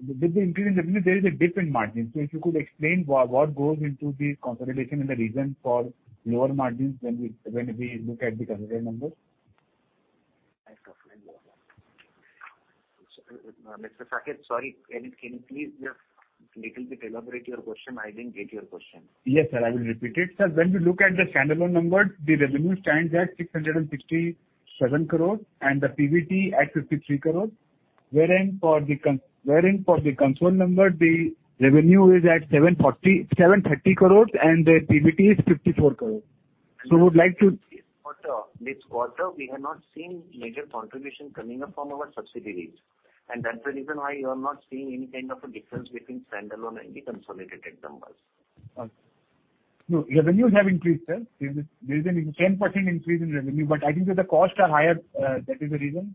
there is a dip in margin. If you could explain what goes into the consolidation and the reason for lower margins when we look at the consolidated numbers. Mr. Saket, sorry, can you please little bit elaborate your question? I didn't get your question. Yes, sir, I will repeat it. Sir, when we look at the standalone numbers, the revenue stands at INR 667 crore and the PBT at INR 53 crore. Wherein for the consolidated number, the revenue is at INR 730 crore and the PBT is INR 54 crore. Would like to- This quarter we have not seen major contribution coming up from our subsidiaries, and that's the reason why you are not seeing any kind of a difference between standalone and the consolidated numbers. No, your revenues have increased, sir. There is a 10% increase in revenue, but I think that the costs are higher, that is the reason.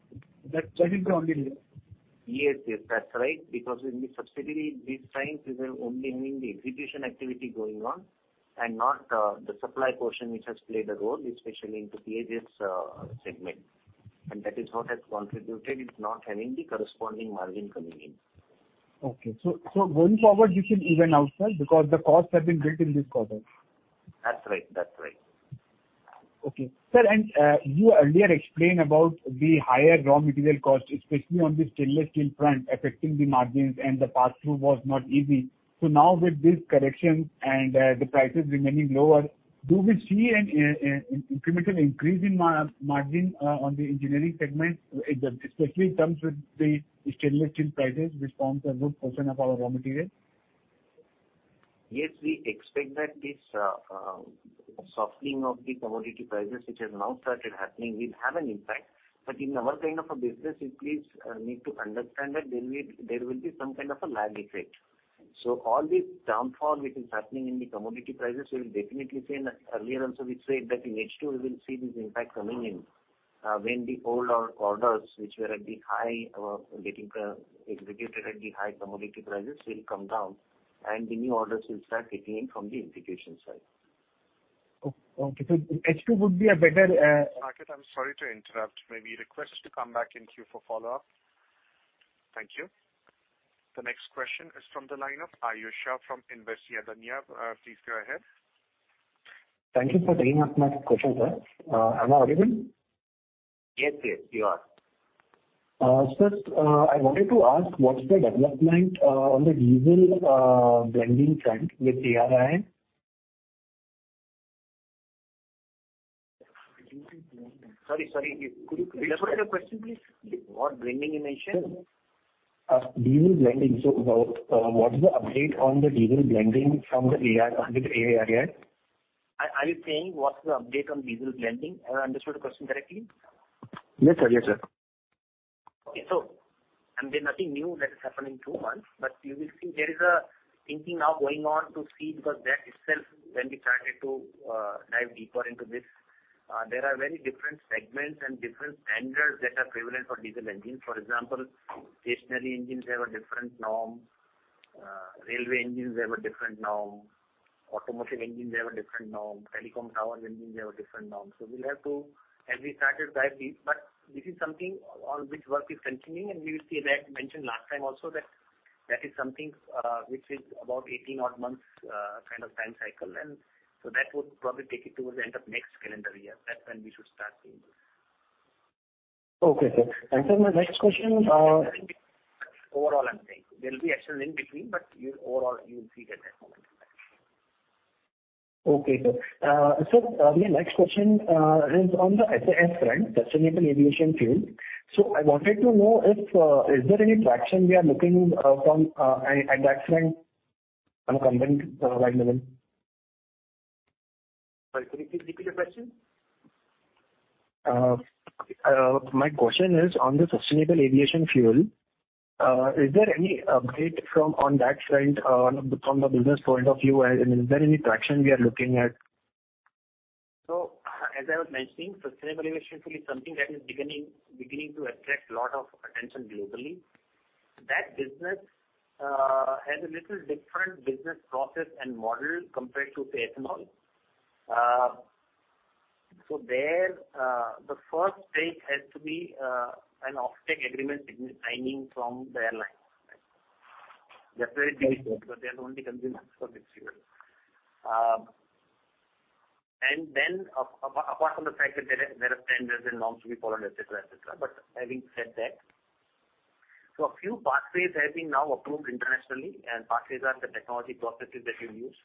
That is the only reason. Yes, yes, that's right, because in the subsidiary this time we were only having the execution activity going on and not the supply portion which has played a role, especially into PHS's segment. That is what has contributed. It's not having the corresponding margin coming in. Okay. Going forward, this is even out, sir, because the costs have been built in this quarter? That's right. That's right. Sir, you earlier explained about the higher raw material costs, especially on the stainless steel front, affecting the margins and the passthrough was not easy. Now with this correction and the prices remaining lower, do we see an incremental increase in margin on the engineering segment, especially in terms of the stainless steel prices, which forms a good portion of our raw material? Yes, we expect that this softening of the commodity prices, which has now started happening, will have an impact. In our kind of a business, you please need to understand that there will be some kind of a lag effect. All this downfall which is happening in the commodity prices, we'll definitely say, and earlier also we said that in H2 we will see this impact coming in, when the older orders which were at the high getting executed at the high commodity prices will come down, and the new orders will start hitting in from the execution side. H2 would be a better. Saket, I'm sorry to interrupt. May we request you to come back in queue for follow-up. Thank you. The next question is from the line of Aayush Shah from InvestYadnya. Please go ahead. Thank you for taking up my question, sir. Am I audible? Yes, yes, you are. First, I wanted to ask, what's the development on the diesel blending front with ARAI? Sorry, sorry. Could you repeat the question, please? What blending you mentioned? Diesel blending. What is the update on the diesel blending from the R&D, with the ARAI? Are you saying what's the update on diesel blending? Have I understood the question correctly? Yes, sir. Yes, sir. Okay. There's nothing new that has happened in 2 months, but you will see there is a thinking now going on to see, because that itself, when we started to dive deeper into this, there are very different segments and different standards that are prevalent for diesel engines. For example, stationary engines have a different norm, railway engines have a different norm, automotive engines have a different norm, telecom tower engines have a different norm. We'll have to dive deep. This is something on which work is continuing, and we will see that. Mentioned last time also that that is something which is about 18 odd months kind of time cycle. That would probably take it towards the end of next calendar year. That's when we should start seeing this. Okay, sir. Sir, my next question, Overall, I'm saying. There'll be an actual link between, but overall you'll see it at that point in time. Okay, sir. My next question is on the SAF front, sustainable aviation fuel. I wanted to know if there is any traction we are looking at that front on a combined level? Sorry, could you please repeat the question? My question is on the Sustainable Aviation Fuel. Is there any update on that front, from the business point of view? Is there any traction we are looking at? As I was mentioning, sustainable aviation fuel is something that is beginning to attract lot of attention globally. That business has a little different business process and model compared to, say, ethanol. There, the first stage has to be an offtake agreement signing from the airlines. That's where it begins because they are the only consumers for this fuel. Apart from the fact that there are standards and norms to be followed, et cetera, et cetera. Having said that, a few pathways have been now approved internationally, and pathways are the technology processes that you use.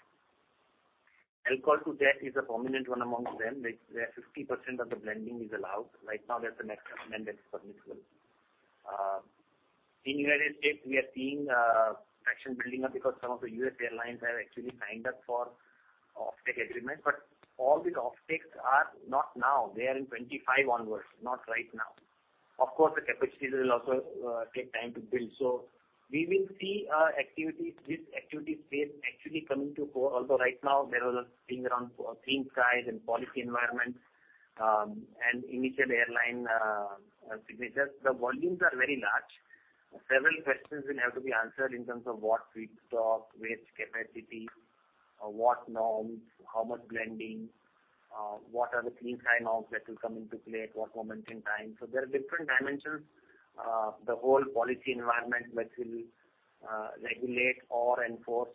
Alcohol-to-Jet is a prominent one among them, which where 50% of the blending is allowed. Right now, that's the maximum that is permissible. In United States, we are seeing traction building up because some of the US airlines have actually signed up for offtake agreement. All these offtakes are not now. They are in 2025 onwards, not right now. Of course, the capacities will also take time to build. We will see activities, this activity space actually coming to fore. Although right now there is a thing around clean skies and policy environment, and initial airline signatures. The volumes are very large. Several questions will have to be answered in terms of what feedstock, waste capacity, what norms, how much blending, what are the clean sky norms that will come into play at what moment in time. There are different dimensions, the whole policy environment which will regulate or enforce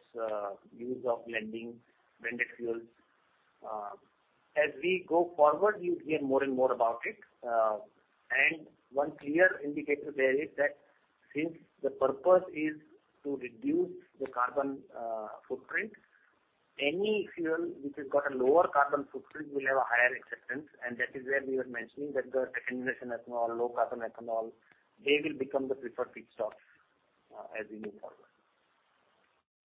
use of blending blended fuels. As we go forward, you'll hear more and more about it. One clear indicator there is that since the purpose is to reduce the carbon footprint, any fuel which has got a lower carbon footprint will have a higher acceptance, and that is where we were mentioning that the second-generation ethanol, low-carbon ethanol, they will become the preferred feedstock, as we move forward.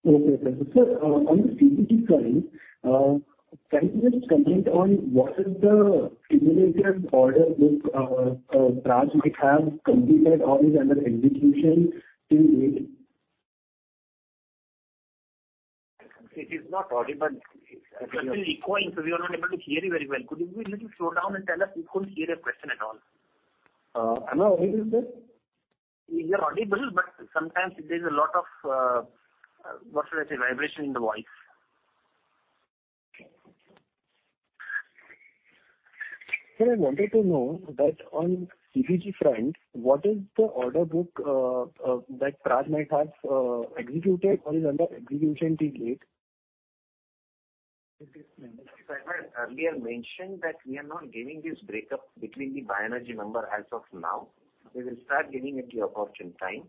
Okay, sir. Sir, on the CBG front, can you just comment on what is the accumulated order book Praj might have completed or is under execution till date? It is not audible. You are still echoing, so we are not able to hear you very well. Could you slow down a little and tell us? We couldn't hear your question at all. Am I audible, sir? You're audible, but sometimes there's a lot of, what should I say, vibration in the voice. Okay. Sir, I wanted to know that on CBG front, what is the order book that Praj might have executed or is under execution till date? As I had earlier mentioned that we are not giving this breakup between the bioenergy number as of now. We will start giving at the opportune time.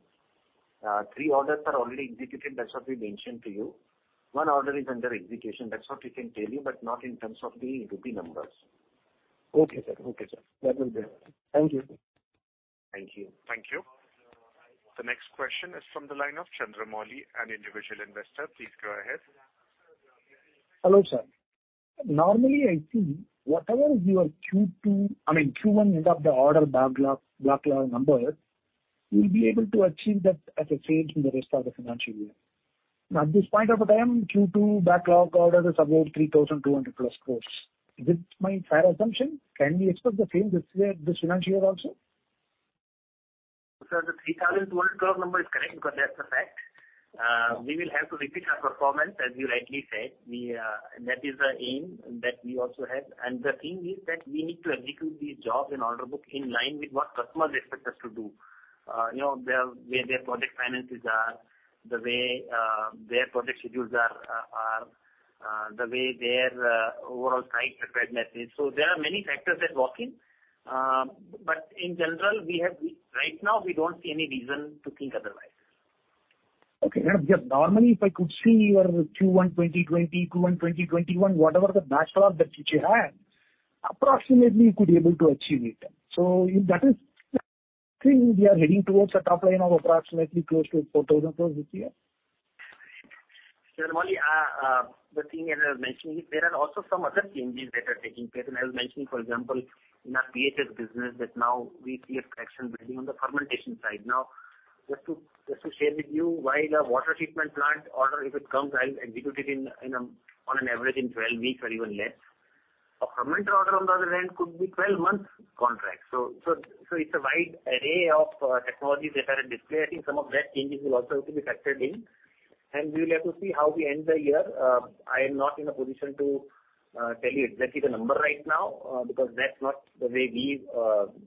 3 orders are already executed. That's what we mentioned to you. 1 order is under execution. That's what we can tell you, but not in terms of the rupee numbers. Okay, sir. Okay, sir. That will do. Thank you. Thank you. Thank you. The next question is from the line of Chandramouli, an individual investor. Please go ahead. Hello, sir. Normally, I see whatever your Q2 I mean, Q1 end of the order backlog number, you'll be able to achieve that as sales in the rest of the financial year. At this point of the time, Q2 backlog order is about 3,200+ crores. Is this my fair assumption? Can we expect the same this year, this financial year also? Sir, the INR 3,200 crore number is correct because that's the fact. We will have to repeat our performance, as you rightly said. We, that is the aim that we also have. The thing is that we need to execute these jobs and order book in line with what customers expect us to do. You know, the way their project finances are, the way their project schedules are, the way their overall site preparedness is. There are many factors that work in. But in general, right now, we don't see any reason to think otherwise. Okay. Normally, if I could see your Q1 2020, Q1 2021, whatever the backlog that you had, approximately you could able to achieve it. If that is seeing we are heading towards a top line of approximately close to 4,000 crores this year. Chandramouli, the thing as I was mentioning is there are also some other changes that are taking place. I was mentioning, for example, in our PHS business that now we see a traction building on the fermentation side. Now, just to share with you why the water treatment plant order, if it comes, I'll execute it in a, on an average in 12 weeks or even less. A fermenter order on the other end could be 12 months contract. It's a wide array of technologies that are on display. I think some of that changes will also have to be factored in, and we will have to see how we end the year. I am not in a position to tell you exactly the number right now, because that's not the way we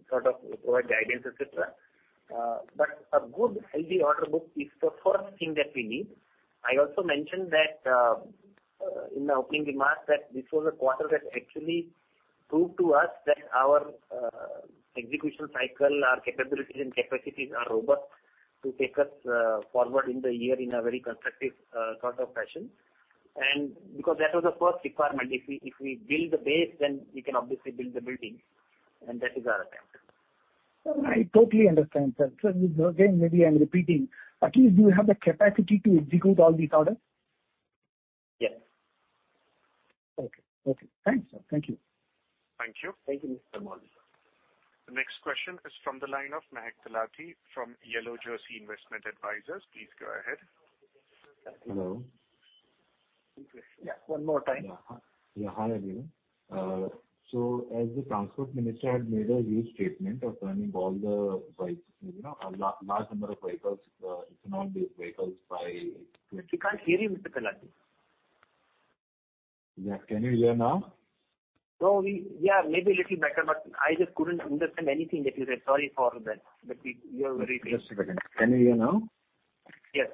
sort of provide guidance, et cetera. A good healthy order book is the first thing that we need. I also mentioned that in the opening remarks that this was a quarter that actually proved to us that our execution cycle, our capabilities and capacities are robust to take us forward in the year in a very constructive sort of fashion. Because that was the first requirement, if we build the base, then we can obviously build the building, and that is our attempt. I totally understand, sir. Again, maybe I'm repeating. At least, do you have the capacity to execute all these orders? Yes. Okay. Okay. Thanks, sir. Thank you. Thank you. Thank you, Mr. Chandramouli. The next question is from the line of Mahek Talati from Yellow Jersey Investment Advisors. Please go ahead. Hello. one more time. Hi, everyone. As the Transport Minister had made a huge statement of running all the vehicles, you know, a large number of vehicles, ethanol-based vehicles by 20- We can't hear you, Mr. Talati. Can you hear now? No., maybe a little better, but I just couldn't understand anything that you said. Sorry for that. You're very- Just a second. Can you hear now? Yes.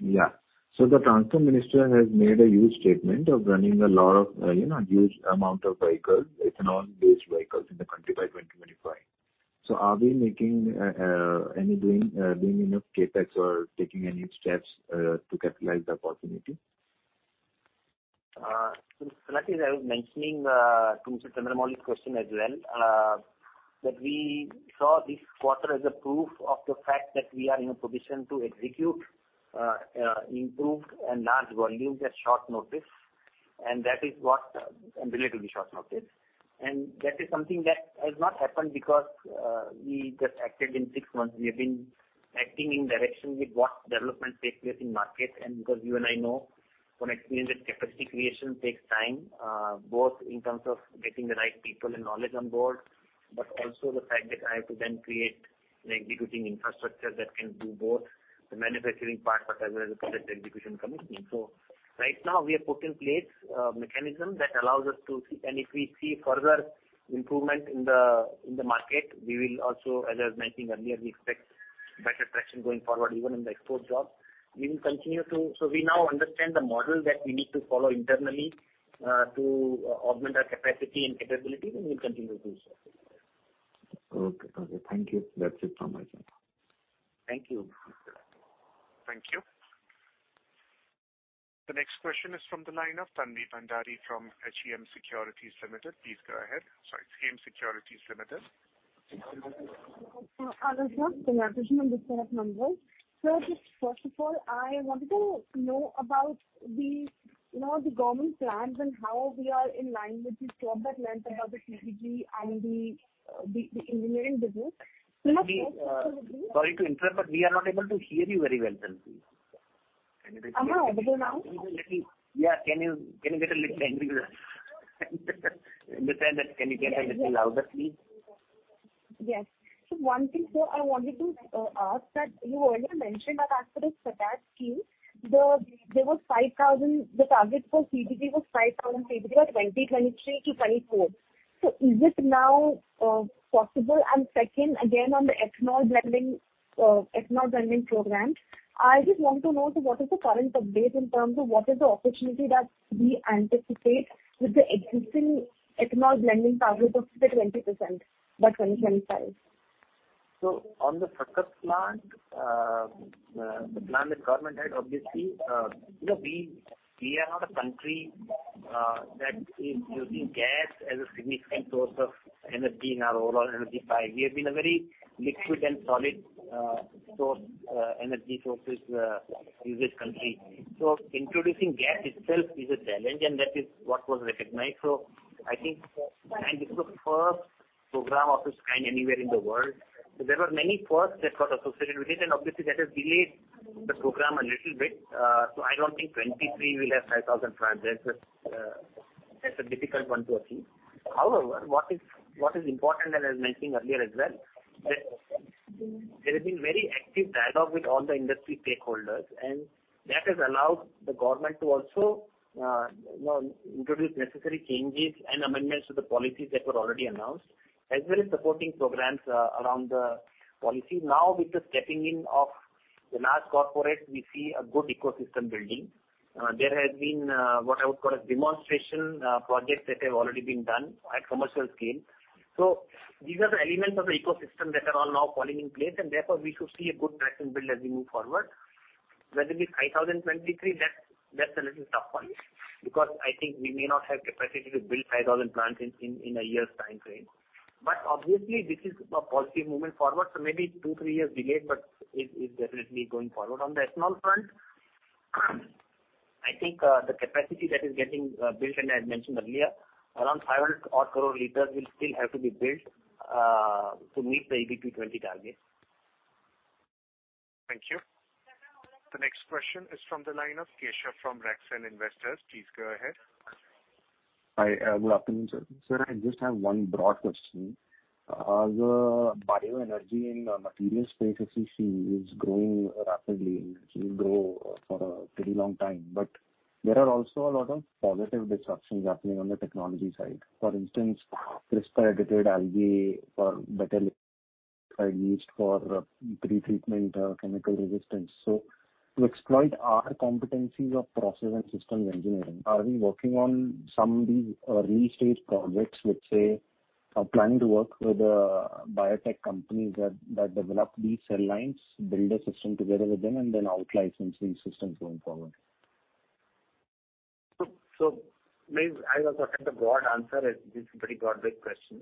Yes. The Transport Minister has made a huge statement of running a lot of, you know, huge amount of vehicles, ethanol-based vehicles in the country by 2025. Are we doing enough CapEx or taking any steps to capitalize the opportunity? Talati, I was mentioning to Mr. Chandramouli's question as well, that we saw this quarter as a proof of the fact that we are in a position to execute improved and large volumes at short notice. That is something that has not happened because we just acted in six months. We have been acting in line with what developments take place in market. Because you and I know from experience that capacity creation takes time, both in terms of getting the right people and knowledge on board, but also the fact that I have to then create an executing infrastructure that can do both the manufacturing part as well as the project execution commitment. Right now we have put in place mechanism that allows us to see. If we see further improvement in the market, we will also, as I was mentioning earlier, we expect better traction going forward, even in the export jobs. We will continue to. We now understand the model that we need to follow internally to augment our capacity and capability, and we'll continue to do so. Okay. Okay. Thank you. That's it from my side. Thank you, Mr. Talati. Thank you. The next question is from the line of Tanvi Bhandari from HEM Securities Limited. Please go ahead. Sorry, HEM Securities Limited. Hello, sir. Hello, sir. Congratulations on the set of numbers. Sir, just first of all, I wanted to know about the, you know, the government plans and how we are in line with the govt plans about the CBG and the engineering business. You know. We, sorry to interrupt, but we are not able to hear you very well, Tanvi. Can you repeat? Better now? Can you get a little louder, please? Yes. One thing, sir, I wanted to ask that you earlier mentioned that as per the SATAT scheme, the target for CBG was 5,000 CBG by 2023-2024. Is it now possible? Second, again, on the ethanol blending, ethanol blending program, I just want to know what is the current update in terms of what is the opportunity that we anticipate with the existing ethanol blending target of the 20% by 2025? On the SATAT plant, the plan the government had obviously, you know, we are not a country that is using gas as a significant source of energy in our overall energy pie. We have been a very liquid and solid source energy sources usage country. Introducing gas itself is a challenge, and that is what was recognized. I think, and this is the first program of its kind anywhere in the world. There were many firsts that got associated with it, and obviously that has delayed the program a little bit. I don't think 2023 will have 5,000 plants. That's a difficult one to achieve. However, what is important, and I was mentioning earlier as well, that there has been very active dialogue with all the industry stakeholders, and that has allowed the government to also, you know, introduce necessary changes and amendments to the policies that were already announced, as well as supporting programs around the policy. Now, with the stepping in of the large corporates, we see a good ecosystem building. There has been what I would call a demonstration projects that have already been done at commercial scale. These are the elements of the ecosystem that are all now falling in place, and therefore we should see a good traction build as we move forward. Whether it is 5,023, that's a little tough one, because I think we may not have capacity to build 5,000 plants in a year's time frame. Obviously this is a positive movement forward, so maybe 2-3 years delayed, but it is definitely going forward. On the ethanol front, I think the capacity that is getting built, and I had mentioned earlier, around 500-odd crore liters will still have to be built to meet the E20 target. Thank you. The next question is from the line of Keshav from RakSan Investors. Please go ahead. Hi. Good afternoon, sir. Sir, I just have one broad question. The bioenergy in, material space especially is growing rapidly, and it will grow for a very long time. There are also a lot of positive disruptions happening on the technology side. For instance, CRISPR-edited algae or better are used for pre-treatment or chemical resistance. To exploit our competencies of process and systems engineering, are we working on some of these, early-stage projects, let's say, are planning to work with, biotech companies that develop these cell lines, build a system together with them, and then out-license these systems going forward? I will attempt a broad answer as this is a pretty broad, big question.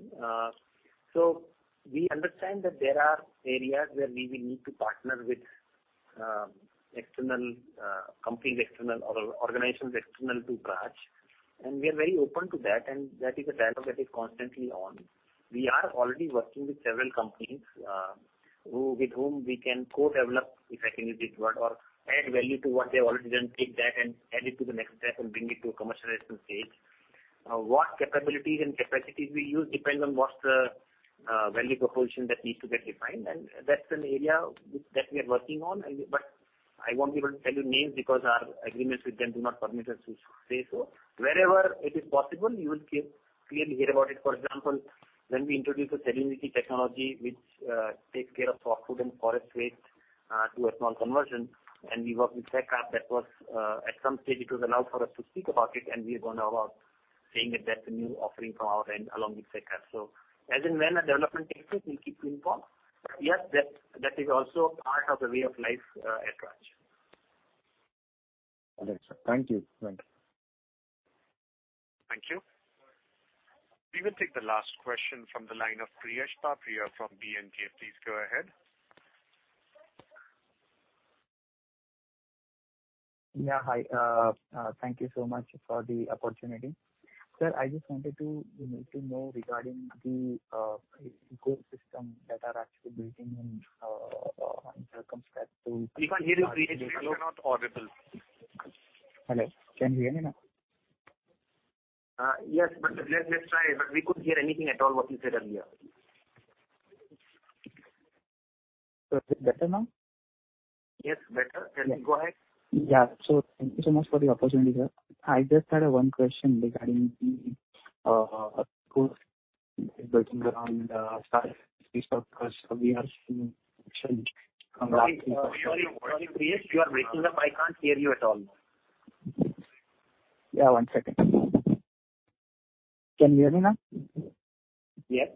We understand that there are areas where we will need to partner with external companies or organizations external to Praj, and we are very open to that, and that is a dialogue that is constantly on. We are already working with several companies with whom we can co-develop, if I can use this word, or add value to what they've already done, take that and add it to the next step and bring it to a commercialization stage. What capabilities and capacities we use depends on what's the value proposition that needs to get defined. That's an area which we are working on. I won't be able to tell you names because our agreements with them do not permit us to say so. Wherever it is possible, you will keep clearly hear about it. For example, when we introduced the Celluniti technology, which takes care of softwood and forest waste to ethanol conversion, and we worked with Sekab, that was at some stage it was allowed for us to speak about it, and we have gone about saying that that's a new offering from our end along with Sekab. As and when a development takes place, we'll keep you informed. Yes, that is also part of the way of life at Praj. Okay, sir. Thank you. Thank you. Thank you. We will take the last question from the line of Priyesh Babariya from B&K. Please go ahead. Hi. Thank you so much for the opportunity. Sir, I just wanted to, you know, to know regarding the ecosystem that are actually building and in terms of that to- We can't hear you, Priyesh. You are not audible. Hello. Can you hear me now? Yes, let's try. We couldn't hear anything at all what you said earlier. Is it better now? Yes, better. Go ahead. Thank you so much for the opportunity, sir. I just had one question regarding the capacity building around starch-based feedstock. We are seeing action- Sorry. Sorry, Priyesh, you are breaking up. I can't hear you at all. One second. Can you hear me now? Yes.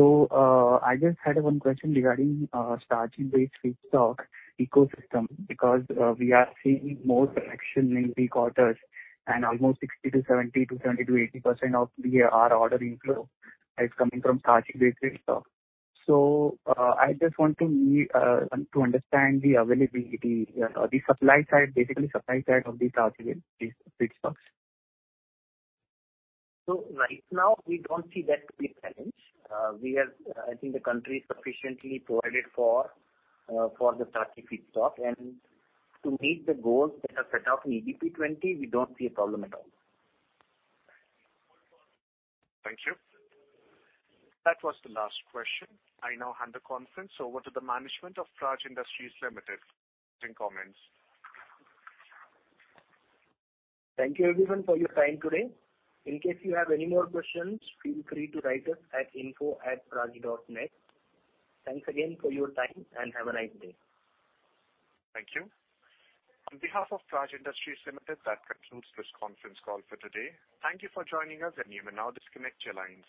I just had one question regarding starchy feedstock ecosystem, because we are seeing more action in peak quarters and almost 60%-80% of our order inflow is coming from starchy feedstock. I just want to understand the availability, the supply side, basically, of the starchy feedstocks. Right now we don't see that to be a challenge. We are, I think the country is sufficiently provided for the starchy feedstock. To meet the goals that are set out in EBP 20, we don't see a problem at all. Thank you. That was the last question. I now hand the conference over to the management of Praj Industries Limited for closing comments. Thank you everyone for your time today. In case you have any more questions, feel free to write us at info@praj.net. Thanks again for your time, and have a nice day. Thank you. On behalf of Praj Industries Limited, that concludes this conference call for today. Thank you for joining us, and you may now disconnect your lines.